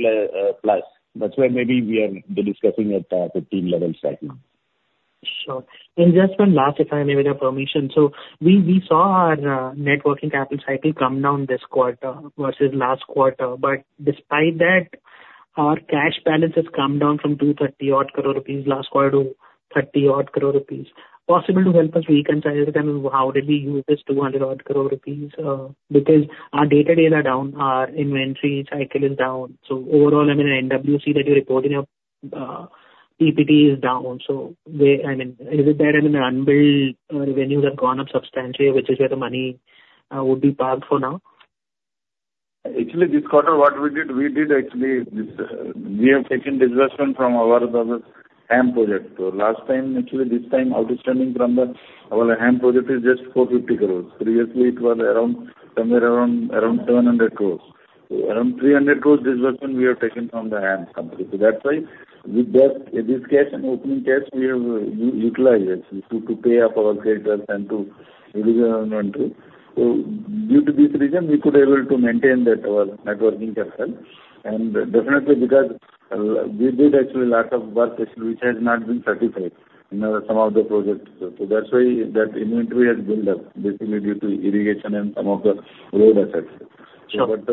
plus. That's why maybe we are discussing at, 15 levels right now. Sure. Just one last, if I may, with your permission. So we saw our net working capital cycle come down this quarter versus last quarter, but despite that, our cash balance has come down from 230-odd crore rupees last quarter to 30-odd crore rupees. Possible to help us reconcile it, I mean, how did we use this 200-odd crore rupees? Because our day-to-day are down, our inventory cycle is down. So overall, I mean, NWC that you report in your PPT is down. So where... I mean, is it that unbilled revenues have gone up substantially, which is where the money would be parked for now? Actually, this quarter, what we did, we did actually, this, we have taken disbursement from our HAM project. So last time, actually, this time, outstanding from our HAM project is just 450 crore. Previously, it was around, somewhere around, around 700 crore. Around 300 crore disbursement we have taken from the HAM company. So that's why with that, this cash and opening cash we have utilized, actually, to pay off our creditors and to release our inventory. So due to this reason, we could able to maintain that, our net working capital. And definitely because, we did actually lot of work actually which has not been certified in some of the projects. So that's why that inventory has built up, basically due to irrigation and some of the road assets. Sure. But,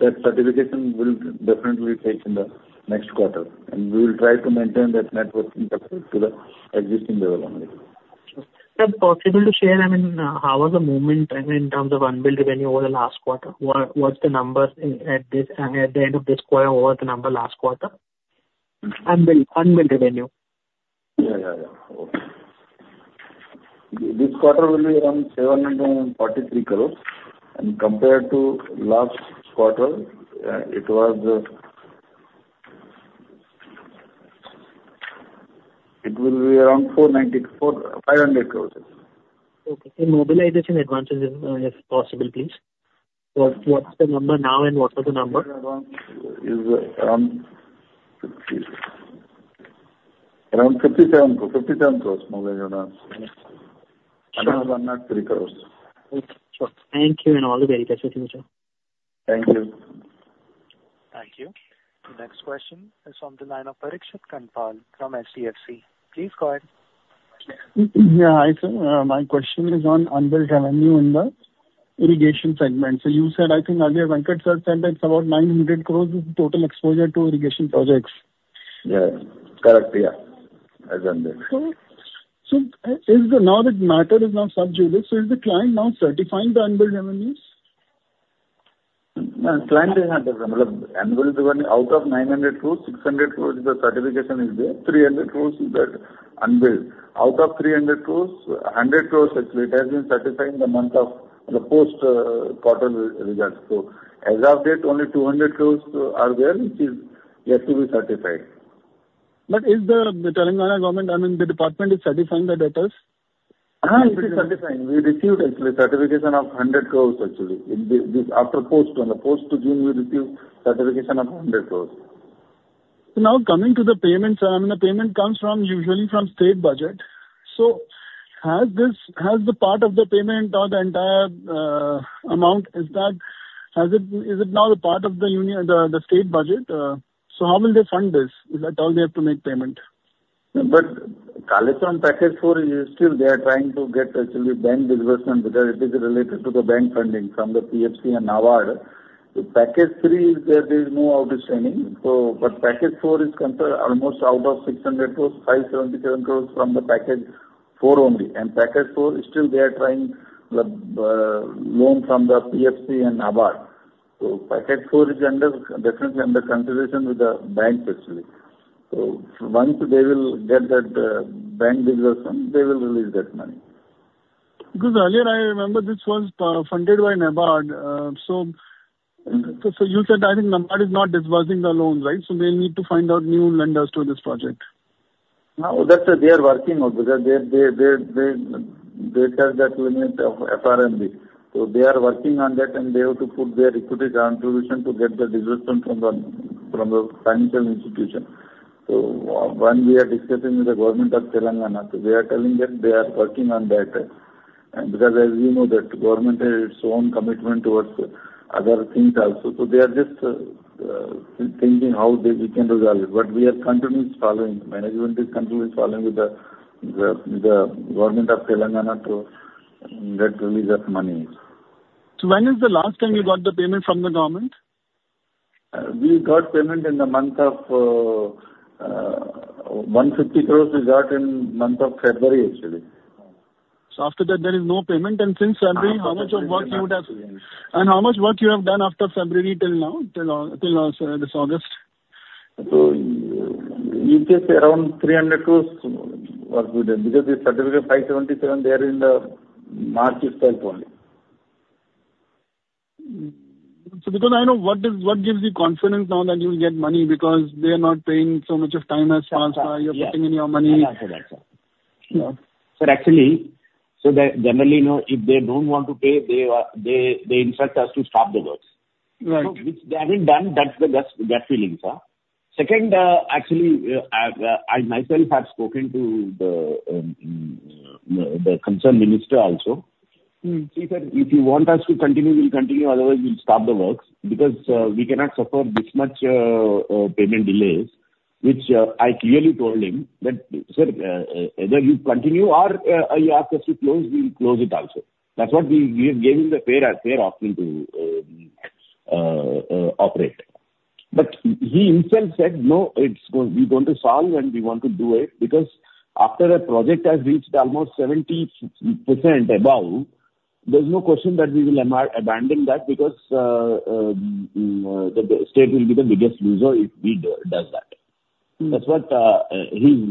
that certification will definitely take in the next quarter, and we will try to maintain that net working capital to the existing level only. Sir, possible to share, I mean, how was the movement in, in terms of unbilled revenue over the last quarter? What, what's the numbers in, at this, at the end of this quarter over the number last quarter? Unbilled, unbilled revenue. Yeah, yeah, yeah. Okay. This quarter will be around 743 crore, and compared to last quarter, it was... It will be around 494-500 crore. Okay. So mobilization advances, if possible, please. What, what's the number now and what was the number? around 57 crores, 57 crores mobilization advances. And another INR 193 crores. Okay, sure. Thank you, and all the very best for future. Thank you. Thank you. The next question is from the line of Parikshit Kandpal from HDFC. Please go ahead. Yeah, hi, sir. My question is on unbilled revenue in the irrigation segment. So you said, I think, earlier, Venkat sir said that it's about 900 crore is the total exposure to irrigation projects. Yeah. Correct, yeah. As unbilled.... So, is it now that the matter is now subjected, so is the client now certifying the unbilled revenues? No, client is not available. Unbilled, the one out of 900 crore, 600 crore, the certification is there. 300 crore is that unbilled. Out of 300 crore, 100 crore actually, it has been certified in the month of the post quarter results. So as of date, only 200 crore are there, which is yet to be certified. Is there the Telangana government, I mean, the department is certifying the debtors? It is certifying. We received actually certification of 100 crore, actually. In the this after post, on the first of June, we received certification of 100 crore. So now coming to the payments, I mean, the payment comes from usually from state budget. So has this, has the part of the payment or the entire amount, is that, has it, is it now the part of the union, the, the state budget? So how will they fund this? Is that all they have to make payment? But Kaleshwaram package four is still they are trying to get actually bank disbursement, because it is related to the bank funding from the PFC and NABARD. The package three, there is no outstanding. So, but package four is consider almost out of 600 crore, 577 crore from the package four only. And package four is still they are trying the loan from the PFC and NABARD. So package four is under, definitely under consideration with the banks actually. So once they will get that bank disbursement, they will release that money. Because earlier I remember this was funded by NABARD. So, so you said, I think NABARD is not disbursing the loans, right? So they need to find out new lenders to this project. No, that's what they are working on, because they have that limit of FRBM. So they are working on that, and they have to put their equity contribution to get the disbursement from the financial institution. So when we are discussing with the government of Telangana, so they are telling that they are working on that. And because as you know, that government has its own commitment towards other things also, so they are just thinking how we can resolve it. But we are continuously following, management is continuously following with the government of Telangana to get release of money. When is the last time you got the payment from the government? We got payment in the month of 150 crore, we got in month of February, actually. After that, there is no payment. Since February, how much of work you would have- Yes. How much work you have done after February till now, till this August? In case around 300 crore work we done, because the certificate 577, they are in March itself only. Because I know what is, what gives you confidence now that you will get money? Because they are not paying so much of time has passed by- Yeah. You're putting in your money. I answer that, sir. No. Sir, actually, so, generally, you know, if they don't want to pay, they instruct us to stop the works. Right. Which they haven't done, that's that feeling, sir. Second, actually, I myself have spoken to the concerned minister also. Mm. He said, "If you want us to continue, we'll continue; otherwise, we'll stop the works, because we cannot suffer this much payment delays." Which, I clearly told him that, "Sir, either you continue or you ask us to close, we'll close it also." That's what we gave him the fair and square option to operate. But he himself said, "No, we're going to solve and we want to do it," because after a project has reached almost 70% above, there's no question that we will ever abandon that, because the state will be the biggest loser if we do. Does that? Mm. That's what he's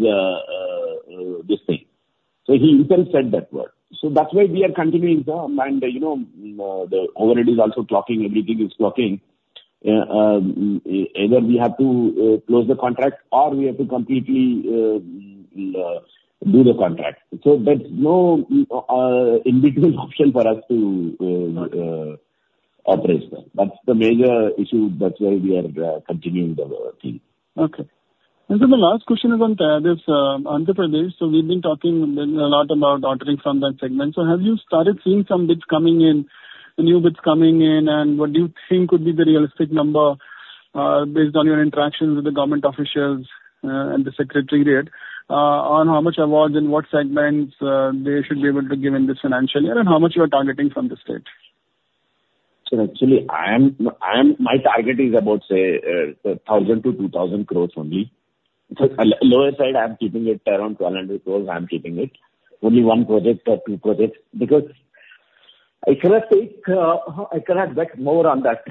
this thing. So he himself said that word. So that's why we are continuing, sir, and, you know, the overhead is also blocking, everything is blocking. Either we have to close the contract or we have to completely do the contract. So there's no individual option for us to operate that. That's the major issue. That's why we are continuing the thing. Okay. And so the last question is on this Andhra Pradesh. So we've been talking a lot about ordering from that segment. So have you started seeing some bids coming in, new bids coming in, and what do you think could be the realistic number based on your interactions with the government officials and the secretary there on how much awards and what segments they should be able to give in this financial year, and how much you are targeting from this state? So actually, my target is about, say, 1,000 crore to 2,000 crore only. So lower side, I'm keeping it around 1,200 crore, I'm keeping it. Only one project or two projects, because I cannot take, I cannot bet more on that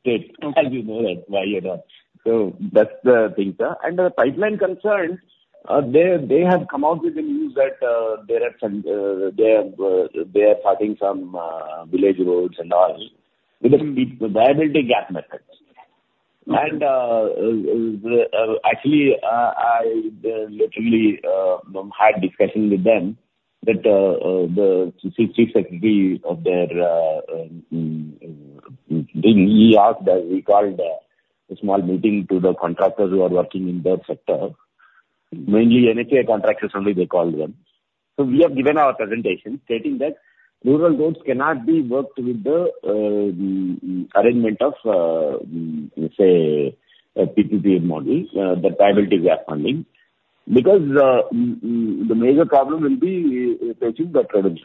state, as you know that why you know. So that's the thing, sir. And the pipeline concerned, they have come out with the news that they have some, they are starting some village roads and all, with the viability gap methods. Mm. Actually, I literally had discussion with them, that the chief secretary of their, he asked as he called a small meeting to the contractors who are working in that sector. Mainly NHAI contractors only, they called them. So we have given our presentation stating that rural roads cannot be worked with the arrangement of, say, a PPP model, the viability gap funding. Because the major problem will be facing the credits,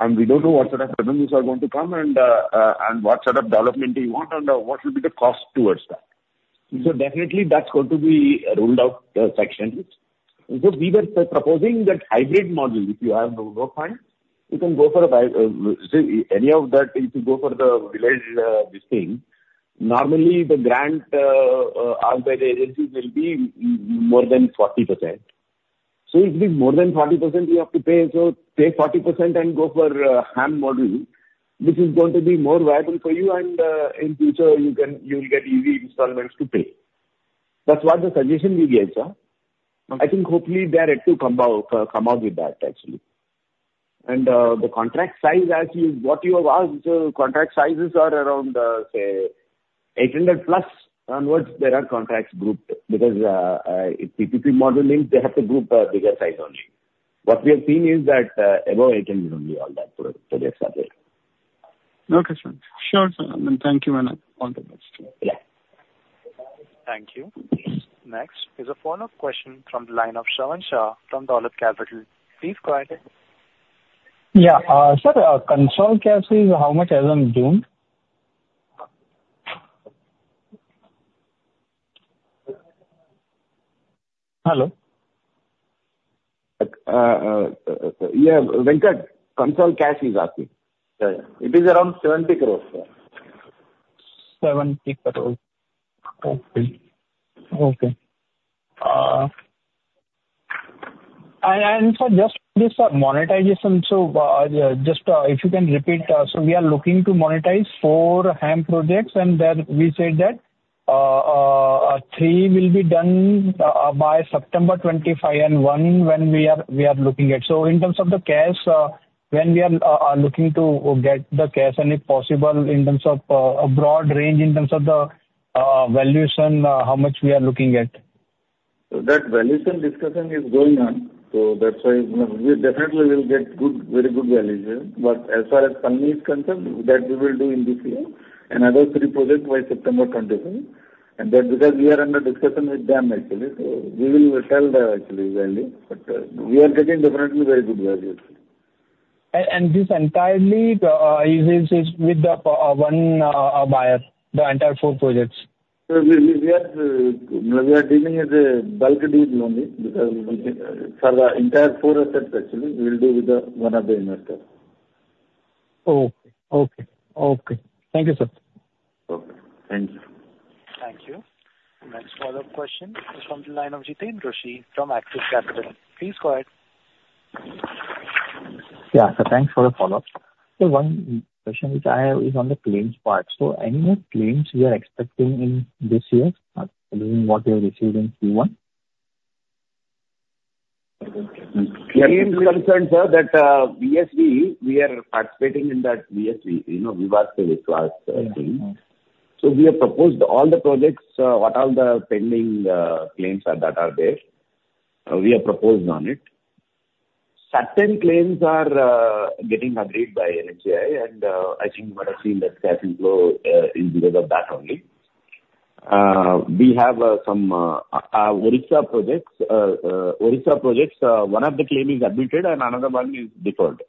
and we don't know what sort of credits are going to come and what sort of development you want and what will be the cost towards that? So definitely that's going to be rolled out sectionally. So we were proposing that hybrid model. If you have the work fund, you can go for a bid, so any of that, if you go for the village, this thing, normally the grant as by the agencies will be more than 40%. So if it is more than 40%, you have to pay, so pay 40% and go for HAM model, which is going to be more viable for you, and in future, you can, you'll get easy installments to pay. That's what the suggestion we gave, sir. I think hopefully they are yet to come out, come out with that, actually. And the contract size, as you what you have asked, so contract sizes are around, say, 800+ onwards. There are contracts grouped because if PPP model means they have to group a bigger size only. What we are seeing is that, above 800 only, all that projects are there. Okay, sir. Sure, sir. Thank you and all the best. Yeah. Thank you. Next is a follow-up question from the line of Shravan Shah from Dolat Capital. Please go ahead. Yeah, sir, consolidated cash is how much as on June? Hello? Yeah, Venkat. Consolidated cash is asking. It is around 70 crore, sir. 70 crore. Okay. Okay. And, and sir, just this, monetization, so, just, if you can repeat, so we are looking to monetize 4 HAM projects, and then we said that, three will be done, by September 2025, and one when we are, we are looking at. So in terms of the cash, when we are, are looking to get the cash, and if possible, in terms of, a broad range, in terms of the, valuation, how much we are looking at? So that valuation discussion is going on, so that's why, you know, we definitely will get good, very good valuation. But as far as Palani is concerned, that we will do in this year, and other three projects by September 2021. And that because we are under discussion with them, actually, so we will sell that actual value, but we are getting definitely very good value. And this entirely is with the one buyer, the entire four projects? We are dealing as a bulk deal only because for the entire four assets, actually, we will deal with one of the investors. Okay. Okay, okay. Thank you, sir. Okay. Thank you. Thank you. Next follow-up question is from the line of Jiten Rushi from Axis Capital. Please go ahead. Yeah, so thanks for the follow-up. So one question which I have is on the claims part. So any more claims you are expecting in this year, other than what you have received in Q1? Claims concerned, sir, that VSV, we are participating in that VSV, you know, Vivad se Vishwas claim. Yeah. So we have proposed all the projects, what all the pending claims are that are there, we have proposed on it. Certain claims are getting agreed by NHAI, and I think what I've seen that cash flow in lieu of that only. We have some Odisha projects. Odisha projects, one of the claim is admitted and another one is deferred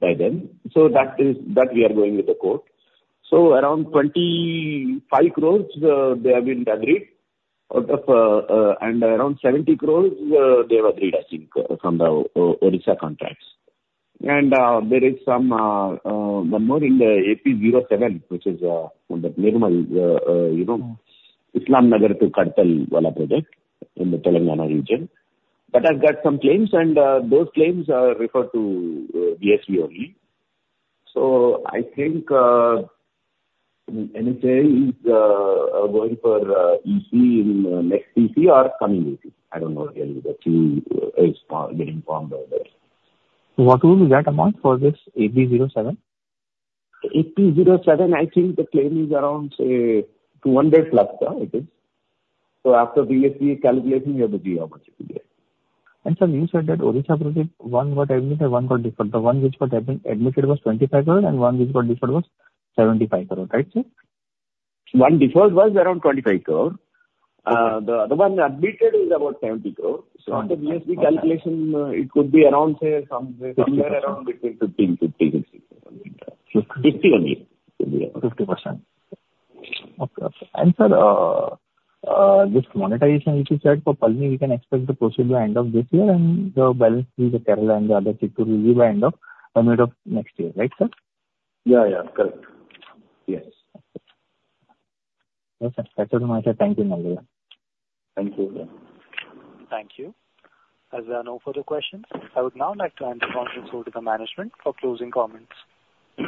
by them. So that is, that we are going with the court. So around 25 crore, they have been agreed out of. And around 70 crore, they have agreed, I think, from the Odisha contracts. And there is some one more in the AP 07, which is on the Nirmal, you know, Islam Nagar to Kadtal wala project in the Telangana region. But I've got some claims, and those claims are referred to VSV only. So I think NHAI is going for EC in next EC or coming EC. I don't know really, but she is getting informed about it. What will be that amount for this AP 07? AP 07, I think the claim is around, say, 200+, it is. So after VSV calculation, we have to see how much it will be. Sir, you said that Odisha project, one got admitted and one got deferred. The one which got admitted was 25 crore, and one which got deferred was 75 crore, right, sir? One deferred was around 25 crore. The other one admitted is about 70 crore. So after VsV calculation, it could be around, say, somewhere around between 15, 15, 15. Fifty only. 50%. Okay. Okay. And sir, this monetization which you said for Palani, we can expect the procedure by end of this year, and the balance will be the Kerala and the other three will be by end of mid of next year, right, sir? Yeah, yeah. Correct. Yes. Okay, sir. That's all my side. Thank you very much. Thank you. Thank you. As there are no further questions, I would now like to hand over to the management for closing comments. Yeah.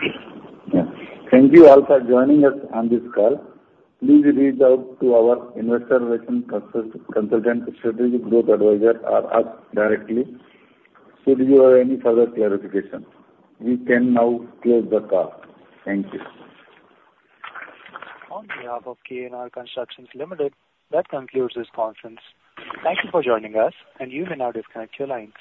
Thank you all for joining us on this call. Please reach out to our investor relations consultant, strategic growth advisor, or us directly, should you have any further clarifications. We can now close the call. Thank you. On behalf of KNR Constructions Limited, that concludes this conference. Thank you for joining us, and you may now disconnect your lines.